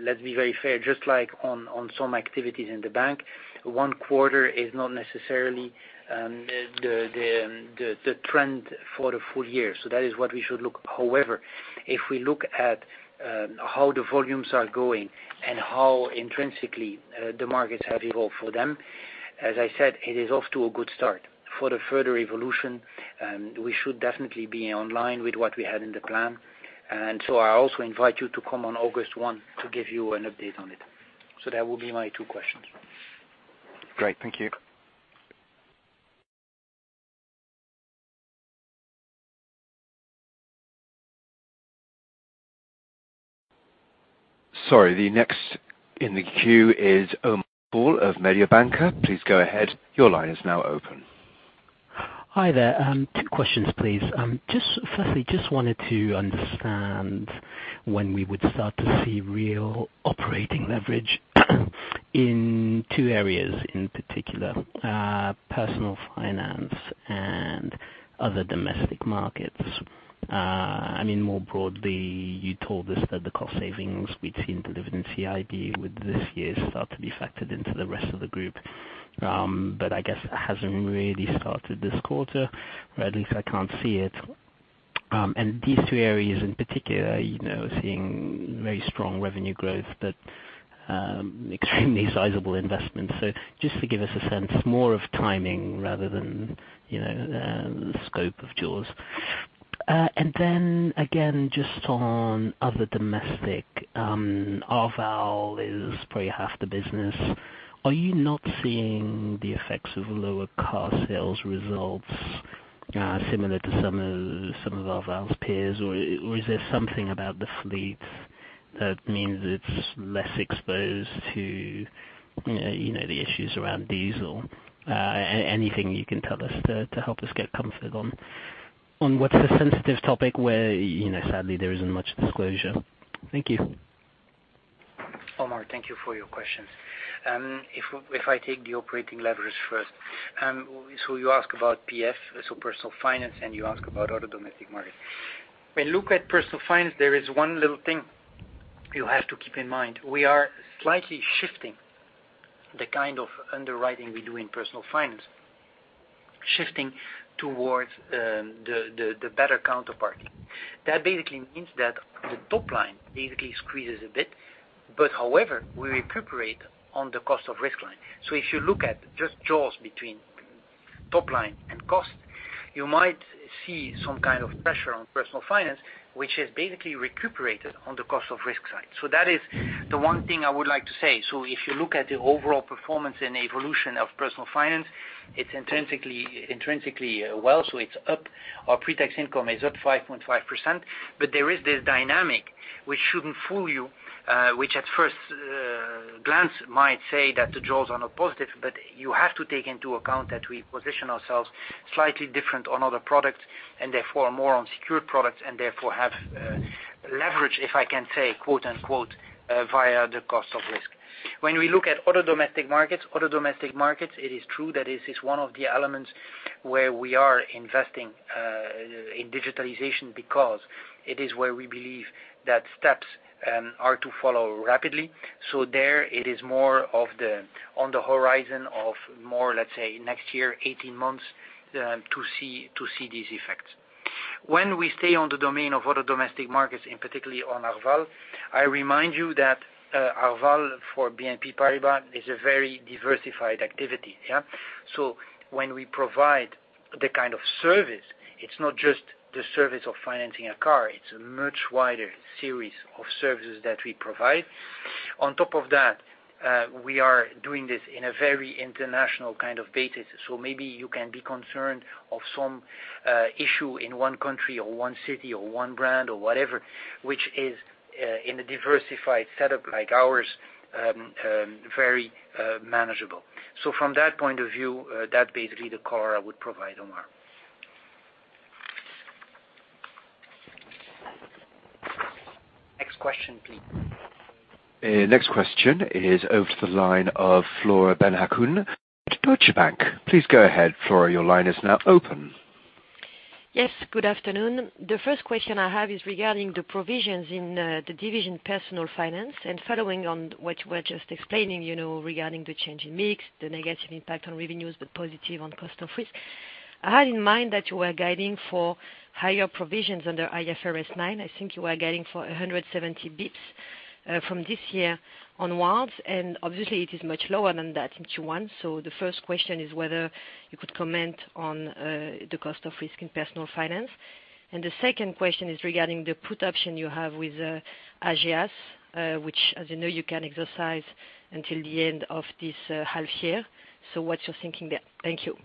let's be very fair, just like on some activities in the bank, one quarter is not necessarily the trend for the full year. That is what we should look. However, if we look at how the volumes are going and how intrinsically the markets have evolved for them, as I said, it is off to a good start. For the further evolution, we should definitely be in line with what we had in the plan. I also invite you to come on August 1 to give you an update on it. That will be my two questions. Great. Thank you. Sorry. The next in the queue is Omar Fall of Mediobanca. Please go ahead. Your line is now open. Hi there. Two questions, please. Firstly, just wanted to understand when we would start to see real operating leverage in two areas, in particular, Personal Finance and other domestic markets. More broadly, you told us that the cost savings we'd seen delivered in CIB with this year start to be factored into the rest of the group. I guess it hasn't really started this quarter, or at least I can't see it. These two areas in particular, seeing very strong revenue growth, but extremely sizable investments. Just to give us a sense more of timing rather than the scope of jaws. Then, again, just on other domestic, Arval is probably half the business. Are you not seeing the effects of lower car sales results similar to some of Arval's peers? Is there something about the fleet that means it's less exposed to the issues around diesel? Anything you can tell us to help us get comfort on what's a sensitive topic where sadly there isn't much disclosure. Thank you. Omar, thank you for your questions. If I take the operating leverage first. You ask about PF, so Personal Finance, and you ask about other domestic markets. When you look at Personal Finance, there is one little thing you have to keep in mind. We are slightly shifting the kind of underwriting we do in Personal Finance, shifting towards the better counterparty. That basically means that the top line basically squeezes a bit. However, we recuperate on the cost of risk line. If you look at just jaws between top line and cost, you might see some kind of pressure on Personal Finance, which is basically recuperated on the cost of risk side. That is the one thing I would like to say. If you look at the overall performance and evolution of Personal Finance, it's intrinsically well. It's up. Our pre-tax income is up 5.5%, there is this dynamic which shouldn't fool you, which at first glance might say that the jaws are not positive, but you have to take into account that we position ourselves slightly different on other products and therefore more on secured products, and therefore have leverage, if I can say, quote-unquote, "via the cost of risk." When we look at other domestic markets, it is true that this is one of the elements where we are investing in digitalization because it is where we believe that steps are to follow rapidly. There it is more on the horizon of more, let's say, next year, 18 months to see these effects. When we stay on the domain of other domestic markets, and particularly on Arval, I remind you that Arval for BNP Paribas is a very diversified activity. When we provide the kind of service, it's not just the service of financing a car, it's a much wider series of services that we provide. On top of that, we are doing this in a very international kind of basis. Maybe you can be concerned of some issue in one country or one city or one brand or whatever, which is in a diversified setup like ours, very manageable. From that point of view, that basically the car I would provide, Omar. Next question, please. Next question is over to the line of Flora Bocahut at Deutsche Bank. Please go ahead, Flora. Your line is now open. Yes, good afternoon. The first question I have is regarding the provisions in the division personal finance, following on what you were just explaining regarding the change in mix, the negative impact on revenues, the positive on cost of risk. I had in mind that you were guiding for higher provisions under IFRS 9. I think you were guiding for 170 basis points from this year onwards, obviously it is much lower than that in Q1. The first question is whether you could comment on the cost of risk in personal finance. The second question is regarding the put option you have with Ageas, which, as you know, you can exercise until the end of this half year. What's your thinking there? Thank you.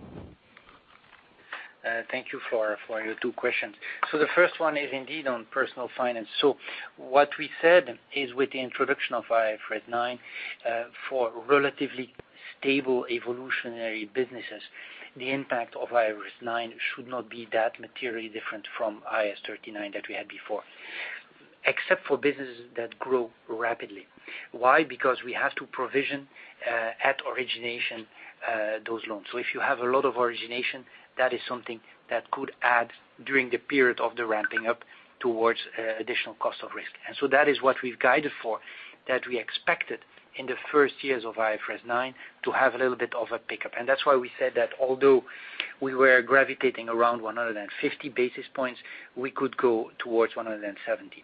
Thank you, Flora, for your two questions. The first one is indeed on personal finance. What we said is with the introduction of IFRS 9, for relatively stable evolutionary businesses, the impact of IFRS 9 should not be that materially different from IAS 39 that we had before, except for businesses that grow rapidly. Why? Because we have to provision at origination those loans. If you have a lot of origination, that is something that could add during the period of the ramping up towards additional cost of risk. That is what we've guided for, that we expected in the first years of IFRS 9 to have a little bit of a pickup. That's why we said that although we were gravitating around 150 basis points, we could go towards 170.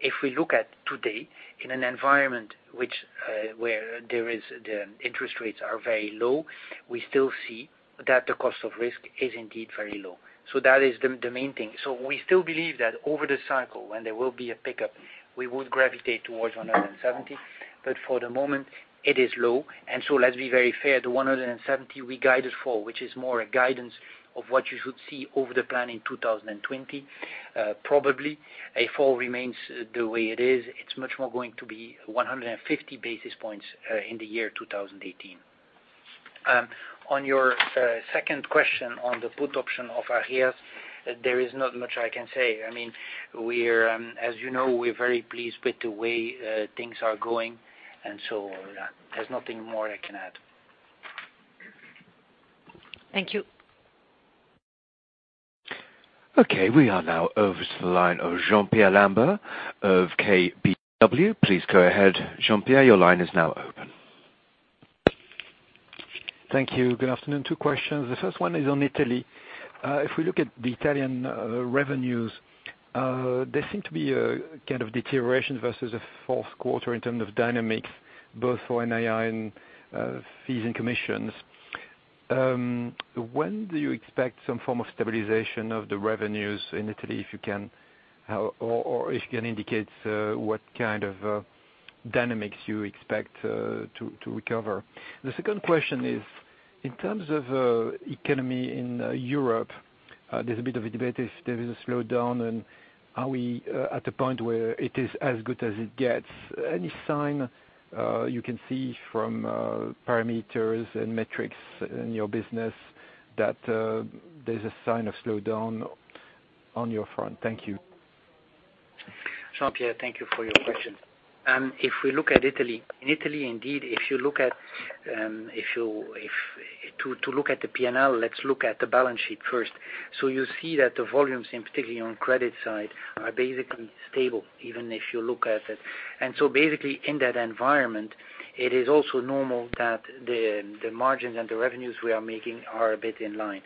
If we look at today in an environment where the interest rates are very low, we still see that the cost of risk is indeed very low. That is the main thing. We still believe that over the cycle, when there will be a pickup, we would gravitate towards 170. For the moment it is low. Let's be very fair, the 170 we guided for, which is more a guidance of what you should see over the plan in 2020, probably if all remains the way it is, it's much more going to be 150 basis points in the year 2018. On your second question on the put option of Ageas, there is not much I can say. As you know, we're very pleased with the way things are going, and there's nothing more I can add. Thank you. We are now over to the line of Jean-Pierre Lambert of KBW. Please go ahead, Jean-Pierre, your line is now open. Thank you. Good afternoon. Two questions. The first one is on Italy. If we look at the Italian revenues, there seem to be a kind of deterioration versus the fourth quarter in terms of dynamics, both for NII and fees and commissions. When do you expect some form of stabilization of the revenues in Italy, if you can, or if you can indicate what kind of dynamics you expect to recover. The second question is, in terms of economy in Europe, there's a bit of a debate if there is a slowdown and are we at a point where it is as good as it gets. Any sign you can see from parameters and metrics in your business that there's a sign of slowdown on your front? Thank you. Jean-Pierre, thank you for your question. If we look at Italy, in Italy, indeed, to look at the P&L, let's look at the balance sheet first. You see that the volumes, in particular on credit side, are basically stable, even if you look at it. Basically in that environment, it is also normal that the margins and the revenues we are making are a bit in line.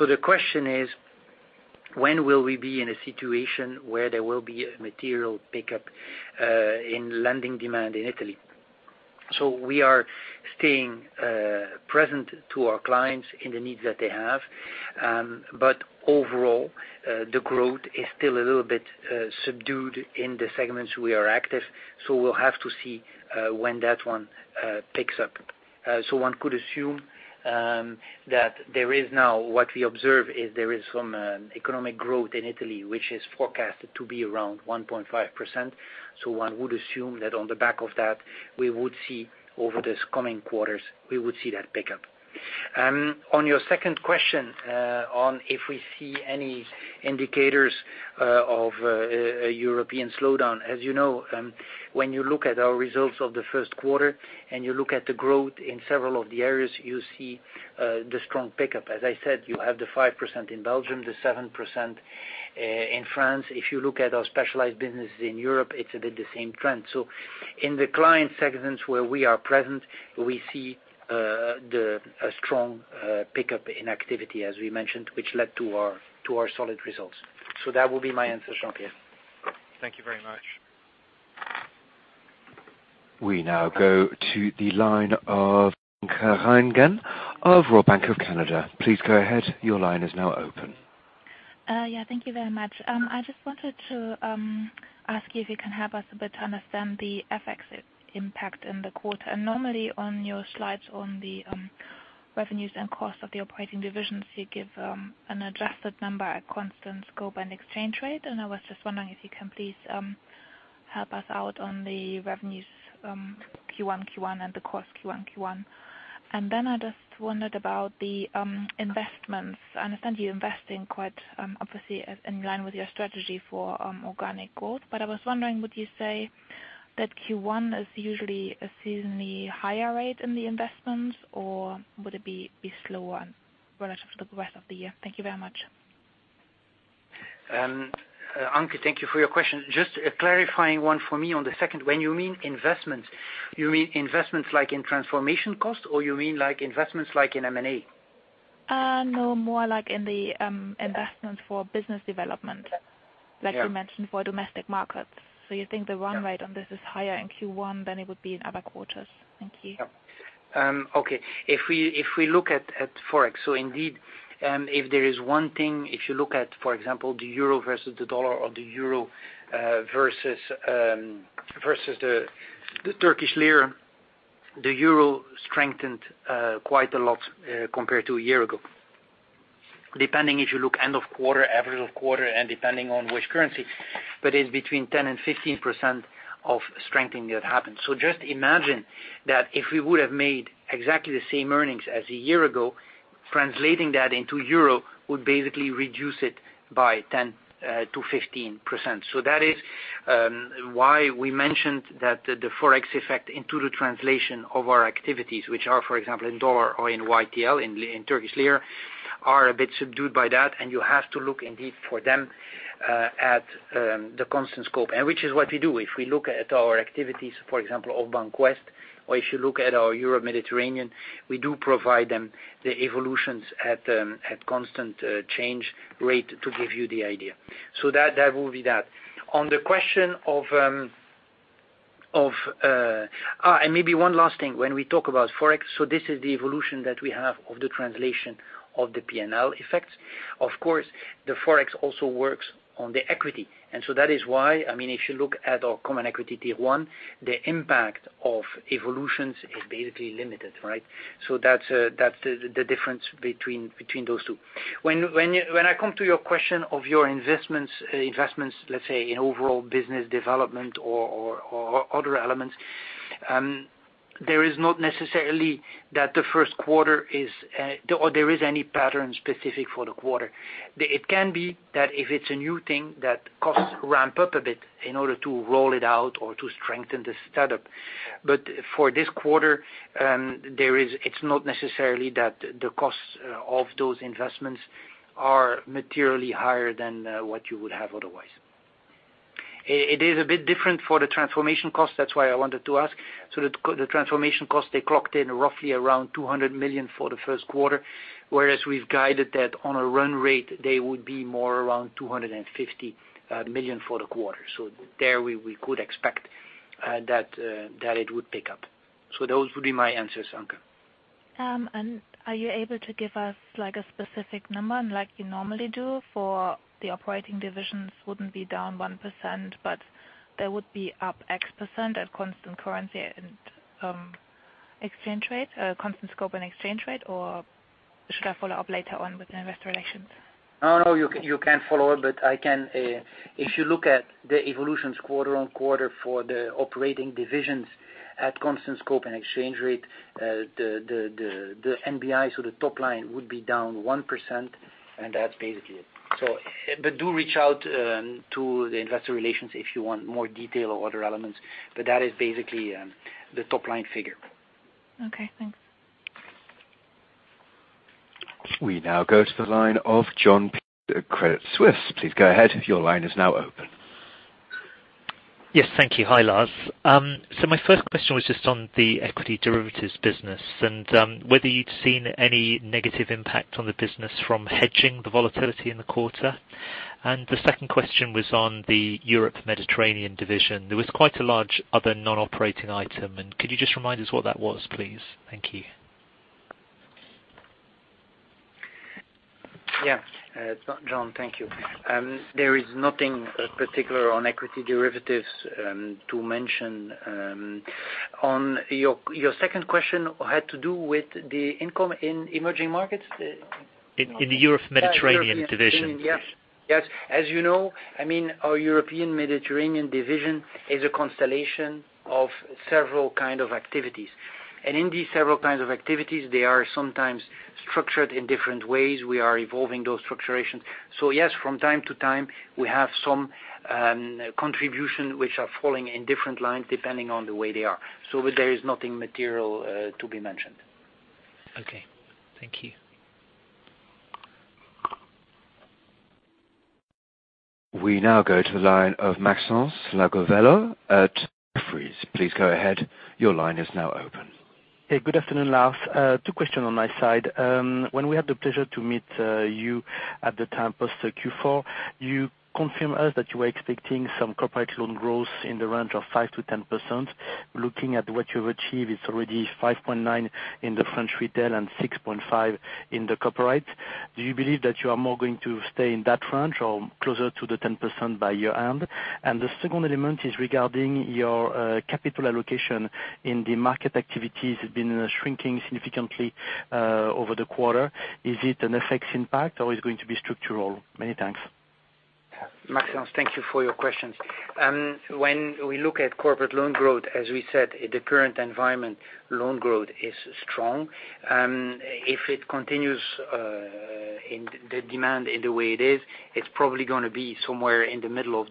The question is, when will we be in a situation where there will be a material pickup in lending demand in Italy? We are staying present to our clients in the needs that they have. Overall, the growth is still a little bit subdued in the segments we are active, so we'll have to see when that one picks up. One could assume that there is now what we observe is there is some economic growth in Italy, which is forecasted to be around 1.5%. One would assume that on the back of that, we would see over these coming quarters, we would see that pickup. On your second question on if we see any indicators of a European slowdown. As you know, when you look at our results of the first quarter and you look at the growth in several of the areas, you see the strong pickup. As I said, you have the 5% in Belgium, the 7% in France. If you look at our specialized businesses in Europe, it's a bit the same trend. In the client segments where we are present, we see a strong pickup in activity as we mentioned, which led to our solid results. That will be my answer, Jean-Pierre. Thank you very much. We now go to the line of Anke Reingen of Royal Bank of Canada. Please go ahead. Your line is now open. Yeah, thank you very much. I just wanted to ask you if you can help us a bit to understand the FX impact in the quarter. Normally on your slides on the revenues and costs of the operating divisions, you give an adjusted number at constant scope and exchange rate. I was just wondering if you can please help us out on the revenues Q1 and the cost Q1. I just wondered about the investments. I understand you're investing quite obviously in line with your strategy for organic growth. I was wondering, would you say that Q1 is usually a seasonally higher rate in the investments, or would it be slower relative to the rest of the year? Thank you very much. Anke, thank you for your question. Just a clarifying one for me on the second. When you mean investments, you mean investments like in transformation cost, or you mean investments like in M&A? No, more like in the investment for business development, like you mentioned for domestic markets. You think the run rate on this is higher in Q1 than it would be in other quarters. Thank you. Okay. If we look at Forex, indeed, if there is one thing, if you look at, for example, the EUR versus the USD or the EUR versus the TRY, the EUR strengthened quite a lot compared to a year ago. Depending if you look end of quarter, average of quarter, and depending on which currency, but it's between 10%-15% of strengthening that happened. Just imagine that if we would have made exactly the same earnings as a year ago, translating that into EUR would basically reduce it by 10%-15%. That is why we mentioned that the Forex effect into the translation of our activities, which are, for example, in USD or in TRY, in Turkish lira, are a bit subdued by that, and you have to look indeed for them at the constant scope, and which is what we do. If we look at our activities, for example, BancWest, or if you look at our Europe-Mediterranean, we do provide them the evolutions at constant change rate to give you the idea. That will be that. Maybe one last thing, when we talk about Forex, this is the evolution that we have of the translation of the P&L effects. Of course, the Forex also works on the equity. That is why, if you look at our Common Equity Tier 1, the impact of evolutions is basically limited, right? That's the difference between those two. When I come to your question of your investments, let's say in overall business development or other elements, there is not necessarily that the first quarter is, or there is any pattern specific for the quarter. It can be that if it's a new thing, that costs ramp up a bit in order to roll it out or to strengthen the setup. For this quarter, it's not necessarily that the costs of those investments are materially higher than what you would have otherwise. It is a bit different for the transformation cost. That's why I wanted to ask. The transformation cost, they clocked in roughly around 200 million for the first quarter, whereas we've guided that on a run rate, they would be more around 250 million for the quarter. There we could expect that it would pick up. Those would be my answers, Anke. Are you able to give us a specific number, like you normally do for the operating divisions wouldn't be down 1%, but they would be up x% at constant currency and exchange rate, constant scope and exchange rate, or should I follow up later on with the Investor Relations? No, you can follow up, if you look at the evolutions quarter-on-quarter for the operating divisions at constant scope and exchange rate, the NBI, so the top line would be down 1%, and that's basically it. Do reach out to the investor relations if you want more detail or other elements, that is basically the top-line figure. Okay, thanks. We now go to the line of Jon of Credit Suisse. Please go ahead. Your line is now open. Yes. Thank you. Hi, Lars. My first question was just on the equity derivatives business and whether you'd seen any negative impact on the business from hedging the volatility in the quarter. The second question was on the Europe-Mediterranean division. There was quite a large other non-operating item, could you just remind us what that was, please? Thank you. Jon, thank you. There is nothing particular on equity derivatives to mention. On your second question had to do with the income in emerging markets? In the Europe-Mediterranean division. Yes. As you know, our Europe-Mediterranean division is a constellation of several kind of activities. In these several kinds of activities, they are sometimes structured in different ways. We are evolving those structurations. Yes, from time to time, we have some contribution which are falling in different lines, depending on the way they are. There is nothing material to be mentioned. Okay. Thank you. We now go to the line of Maxence Le Gouvello at Jefferies. Please go ahead. Your line is now open. Hey, good afternoon, Lars. Two question on my side. When we had the pleasure to meet you at the time post Q4, you confirm us that you were expecting some corporate loan growth in the range of 5%-10%. Looking at what you've achieved, it's already 5.9% in the French retail and 6.5% in the corporate. Do you believe that you are more going to stay in that range or closer to the 10% by year-end? The second element is regarding your capital allocation in the market activities has been shrinking significantly over the quarter. Is it an FX impact or is it going to be structural? Many thanks. Maxence, thank you for your questions. When we look at corporate loan growth, as we said, in the current environment, loan growth is strong. If it continues the demand in the way it is, it's probably going to be somewhere in the middle of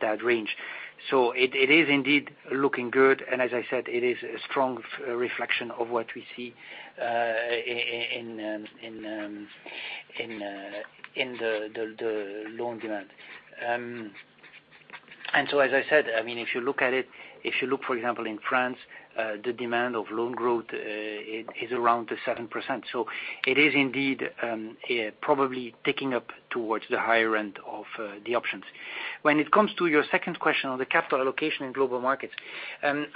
that range. It is indeed looking good, and as I said, it is a strong reflection of what we see in the loan demand. As I said, if you look at it, if you look, for example, in France, the demand of loan growth is around the 7%. It is indeed probably ticking up towards the higher end of the options. When it comes to your second question on the capital allocation in global markets,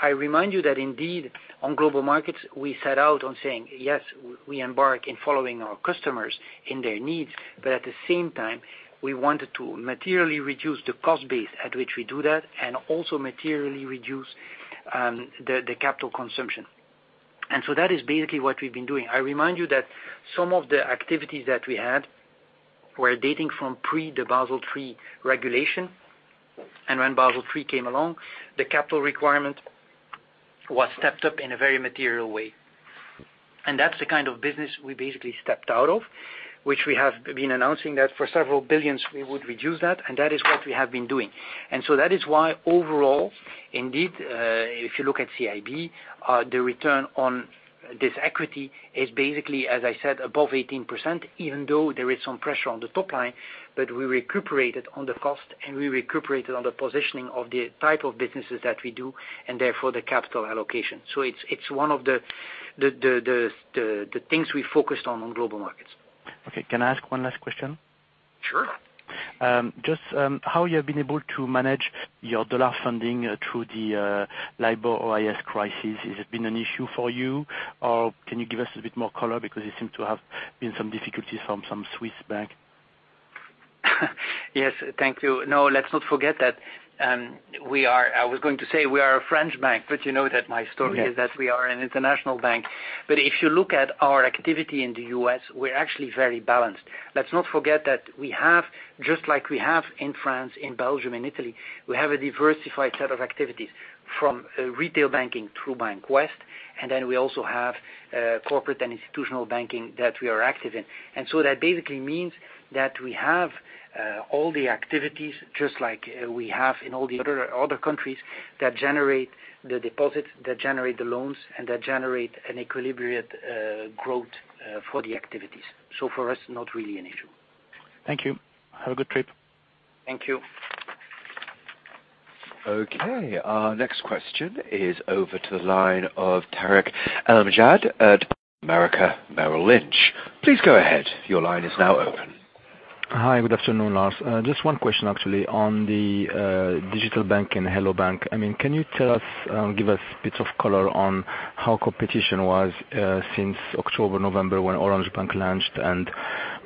I remind you that indeed, on global markets, we set out on saying, yes, we embark in following our customers in their needs, but at the same time, we wanted to materially reduce the cost base at which we do that, and also materially reduce the capital consumption. That is basically what we've been doing. I remind you that some of the activities that we had were dating from pre the Basel III regulation. When Basel III came along, the capital requirement was stepped up in a very material way. That's the kind of business we basically stepped out of, which we have been announcing that for several billion, we would reduce that, and that is what we have been doing. That is why overall, indeed, if you look at CIB, the return on this equity is basically, as I said, above 18%, even though there is some pressure on the top line, but we recuperated on the cost, and we recuperated on the positioning of the type of businesses that we do, and therefore, the capital allocation. It's one of the things we focused on on global markets. Okay. Can I ask one last question? Sure. Just how you have been able to manage your dollar funding through the LIBOR-OIS crisis. Has it been an issue for you, or can you give us a bit more color because it seems to have been some difficulties from some Swiss bank. Yes. Thank you. No, let's not forget that we are, I was going to say we are a French bank, but you know that my story is that we are an international bank. If you look at our activity in the U.S., we're actually very balanced. Let's not forget that we have, just like we have in France, in Belgium, in Italy, we have a diversified set of activities from retail banking through BancWest, and then we also have corporate and institutional banking that we are active in. That basically means that we have all the activities just like we have in all the other countries that generate the deposits, that generate the loans, and that generate an equilibrium growth for the activities. For us, not really an issue. Thank you. Have a good trip. Thank you. Our next question is over to the line of Tarik El Mejjad at Bank of America Merrill Lynch. Please go ahead. Your line is now open. Hi. Good afternoon, Lars. Just one question actually on the digital bank and Hello bank!. Can you give us bits of color on how competition was since October, November, when Orange Bank launched and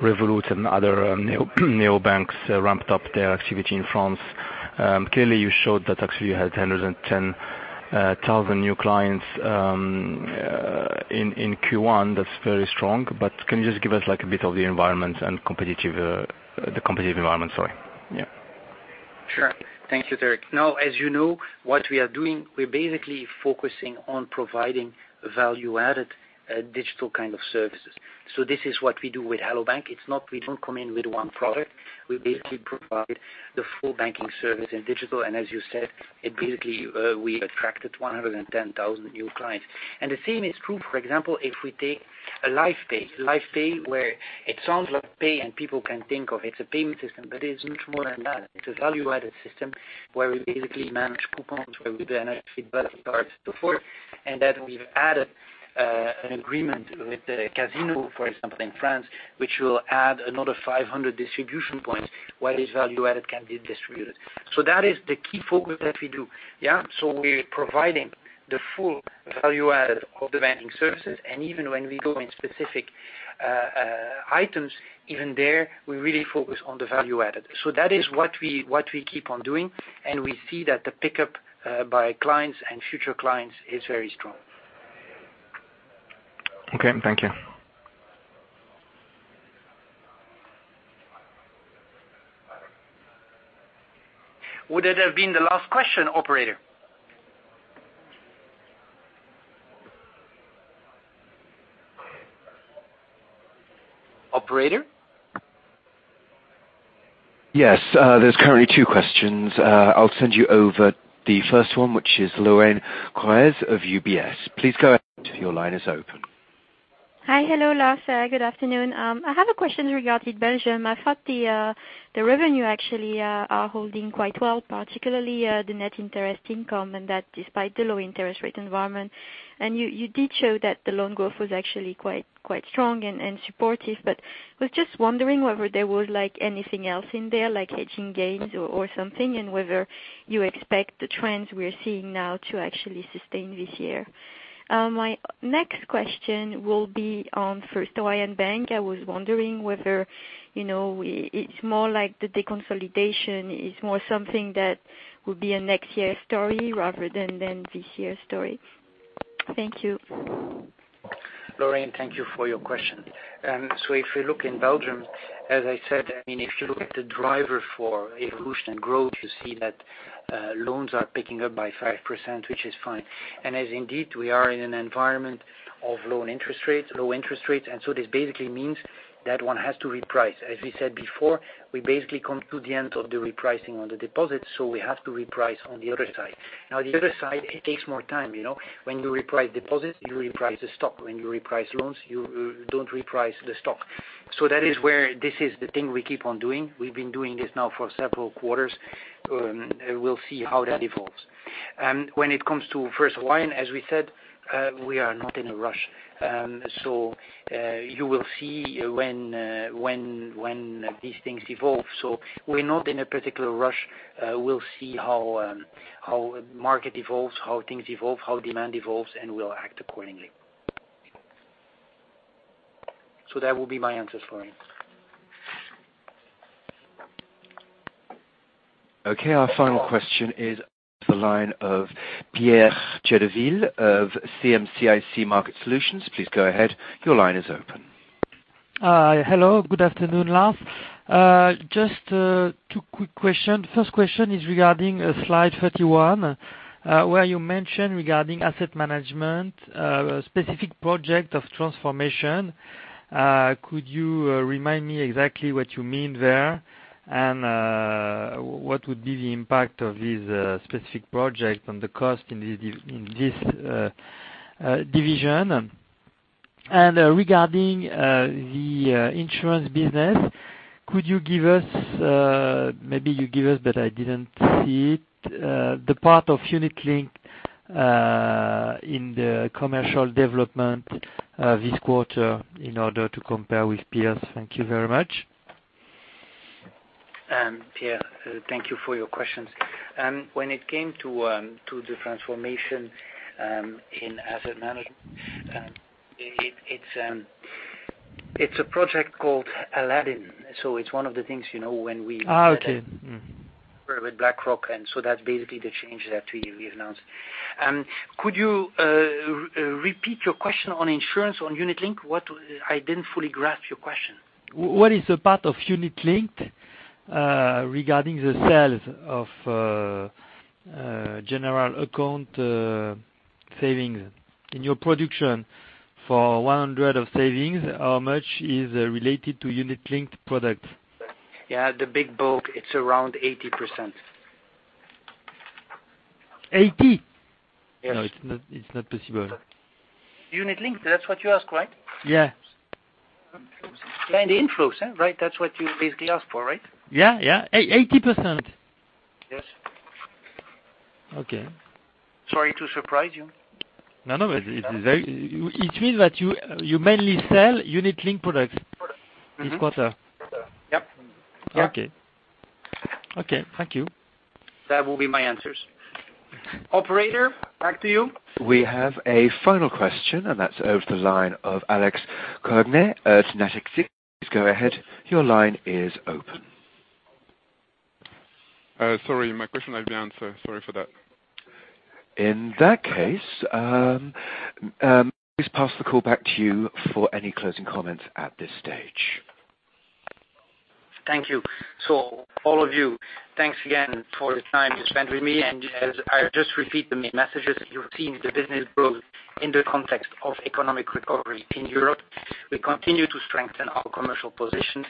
Revolut and other neo banks ramped up their activity in France? Clearly, you showed that actually you had 110,000 new clients in Q1. That's very strong. Can you just give us a bit of the environment and the competitive environment, sorry. Yeah. Sure. Thank you, Tarik. As you know, what we are doing, we're basically focusing on providing value-added digital kind of services. This is what we do with Hello bank!. We don't come in with one product. We basically provide the full banking service in digital, and as you said, basically we attracted 110,000 new clients. The same is true, for example, if we take Lyf Pay. Lyf Pay, where it sounds like pay, and people can think of it's a payment system, but it's much more than that. It's a value-added system where we basically manage coupons, where we manage cards, so forth. That we've added an agreement with Casino, for example, in France, which will add another 500 distribution points where this value-added can be distributed. That is the key focus that we do. We're providing the full value-added of the banking services, and even when we go in specific items, even there, we really focus on the value-added. That is what we keep on doing, and we see that the pickup by clients and future clients is very strong. Okay. Thank you. Would that have been the last question, operator? Operator? Yes. There's currently two questions. I'll send you over the first one, which is Lorraine Grice of UBS. Please go ahead. Your line is open. Hi. Hello, Lars. Good afternoon. I have a question regarding Belgium. I thought the revenue actually are holding quite well, particularly the net interest income, that despite the low interest rate environment. You did show that the loan growth was actually quite strong and supportive, but was just wondering whether there was anything else in there, like hedging gains or something, and whether you expect the trends we're seeing now to actually sustain this year. My next question will be on First Hawaiian Bank. I was wondering whether it's more like the deconsolidation is more something that would be a next year story rather than this year's story. Thank you. Lorraine, thank you for your question. If you look in Belgium, as I said, if you look at the driver for evolution and growth, you see that loans are picking up by 5%, which is fine. As indeed, we are in an environment of low interest rates, this basically means that one has to reprice. As we said before, we basically come to the end of the repricing on the deposits, we have to reprice on the other side. Now, the other side, it takes more time. When you reprice deposits, you reprice the stock. When you reprice loans, you don't reprice the stock. That is where this is the thing we keep on doing. We've been doing this now for several quarters. We'll see how that evolves. When it comes to First Hawaiian, as we said, we are not in a rush. You will see when these things evolve. We're not in a particular rush. We'll see how market evolves, how things evolve, how demand evolves, we'll act accordingly. That will be my answer, Lorraine. Our final question is the line of Pierre Chédeville of CIC Market Solutions. Please go ahead. Your line is open. Hello, good afternoon, Lars. Just two quick questions. First question is regarding slide 31, where you mentioned regarding asset management, specific project of transformation. Could you remind me exactly what you mean there? What would be the impact of this specific project on the cost in this division? Regarding the insurance business, could you give us, maybe you give us, but I didn't see it, the part of unit link in the commercial development this quarter in order to compare with peers. Thank you very much. Pierre, thank you for your questions. When it came to the transformation in asset management, it's a project called Aladdin. It's one of the things. Okay with BlackRock, that's basically the change that we've announced. Could you repeat your question on insurance on unit link? I didn't fully grasp your question. What is the part of unit link regarding the sales of general account savings. In your production for 100 of savings, how much is related to unit linked products? Yeah, the big bulk, it is around 80%. Eighty? Yes. No, it is not possible. Unit linked, that is what you asked, right? Yeah. Inflows. That's what you basically asked for, right? Yeah. 80%? Yes. Okay. Sorry to surprise you. No, it means that you mainly sell unit linked products this quarter. Yep. Okay. Thank you. That will be my answers. Operator, back to you. We have a final question, and that's over the line of Alexandre Kojeve at Natixis. Go ahead. Your line is open. Sorry, my question has been answered. Sorry for that. In that case, please pass the call back to you for any closing comments at this stage. Thank you. All of you, thanks again for the time you spent with me. As I just repeat the main messages, you've seen the business growth in the context of economic recovery in Europe. We continue to strengthen our commercial positions.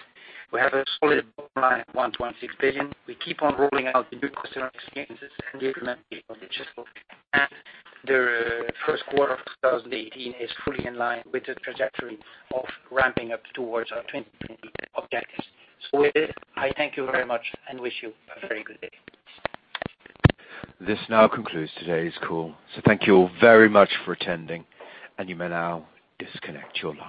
We have a solid bottom line at 1.6 billion. We keep on rolling out the new customer experiences and the implementation of the [Chess book]. The first quarter of 2018 is fully in line with the trajectory of ramping up towards our 2020 objectives. With this, I thank you very much and wish you a very good day. This now concludes today's call. Thank you all very much for attending, and you may now disconnect your lines.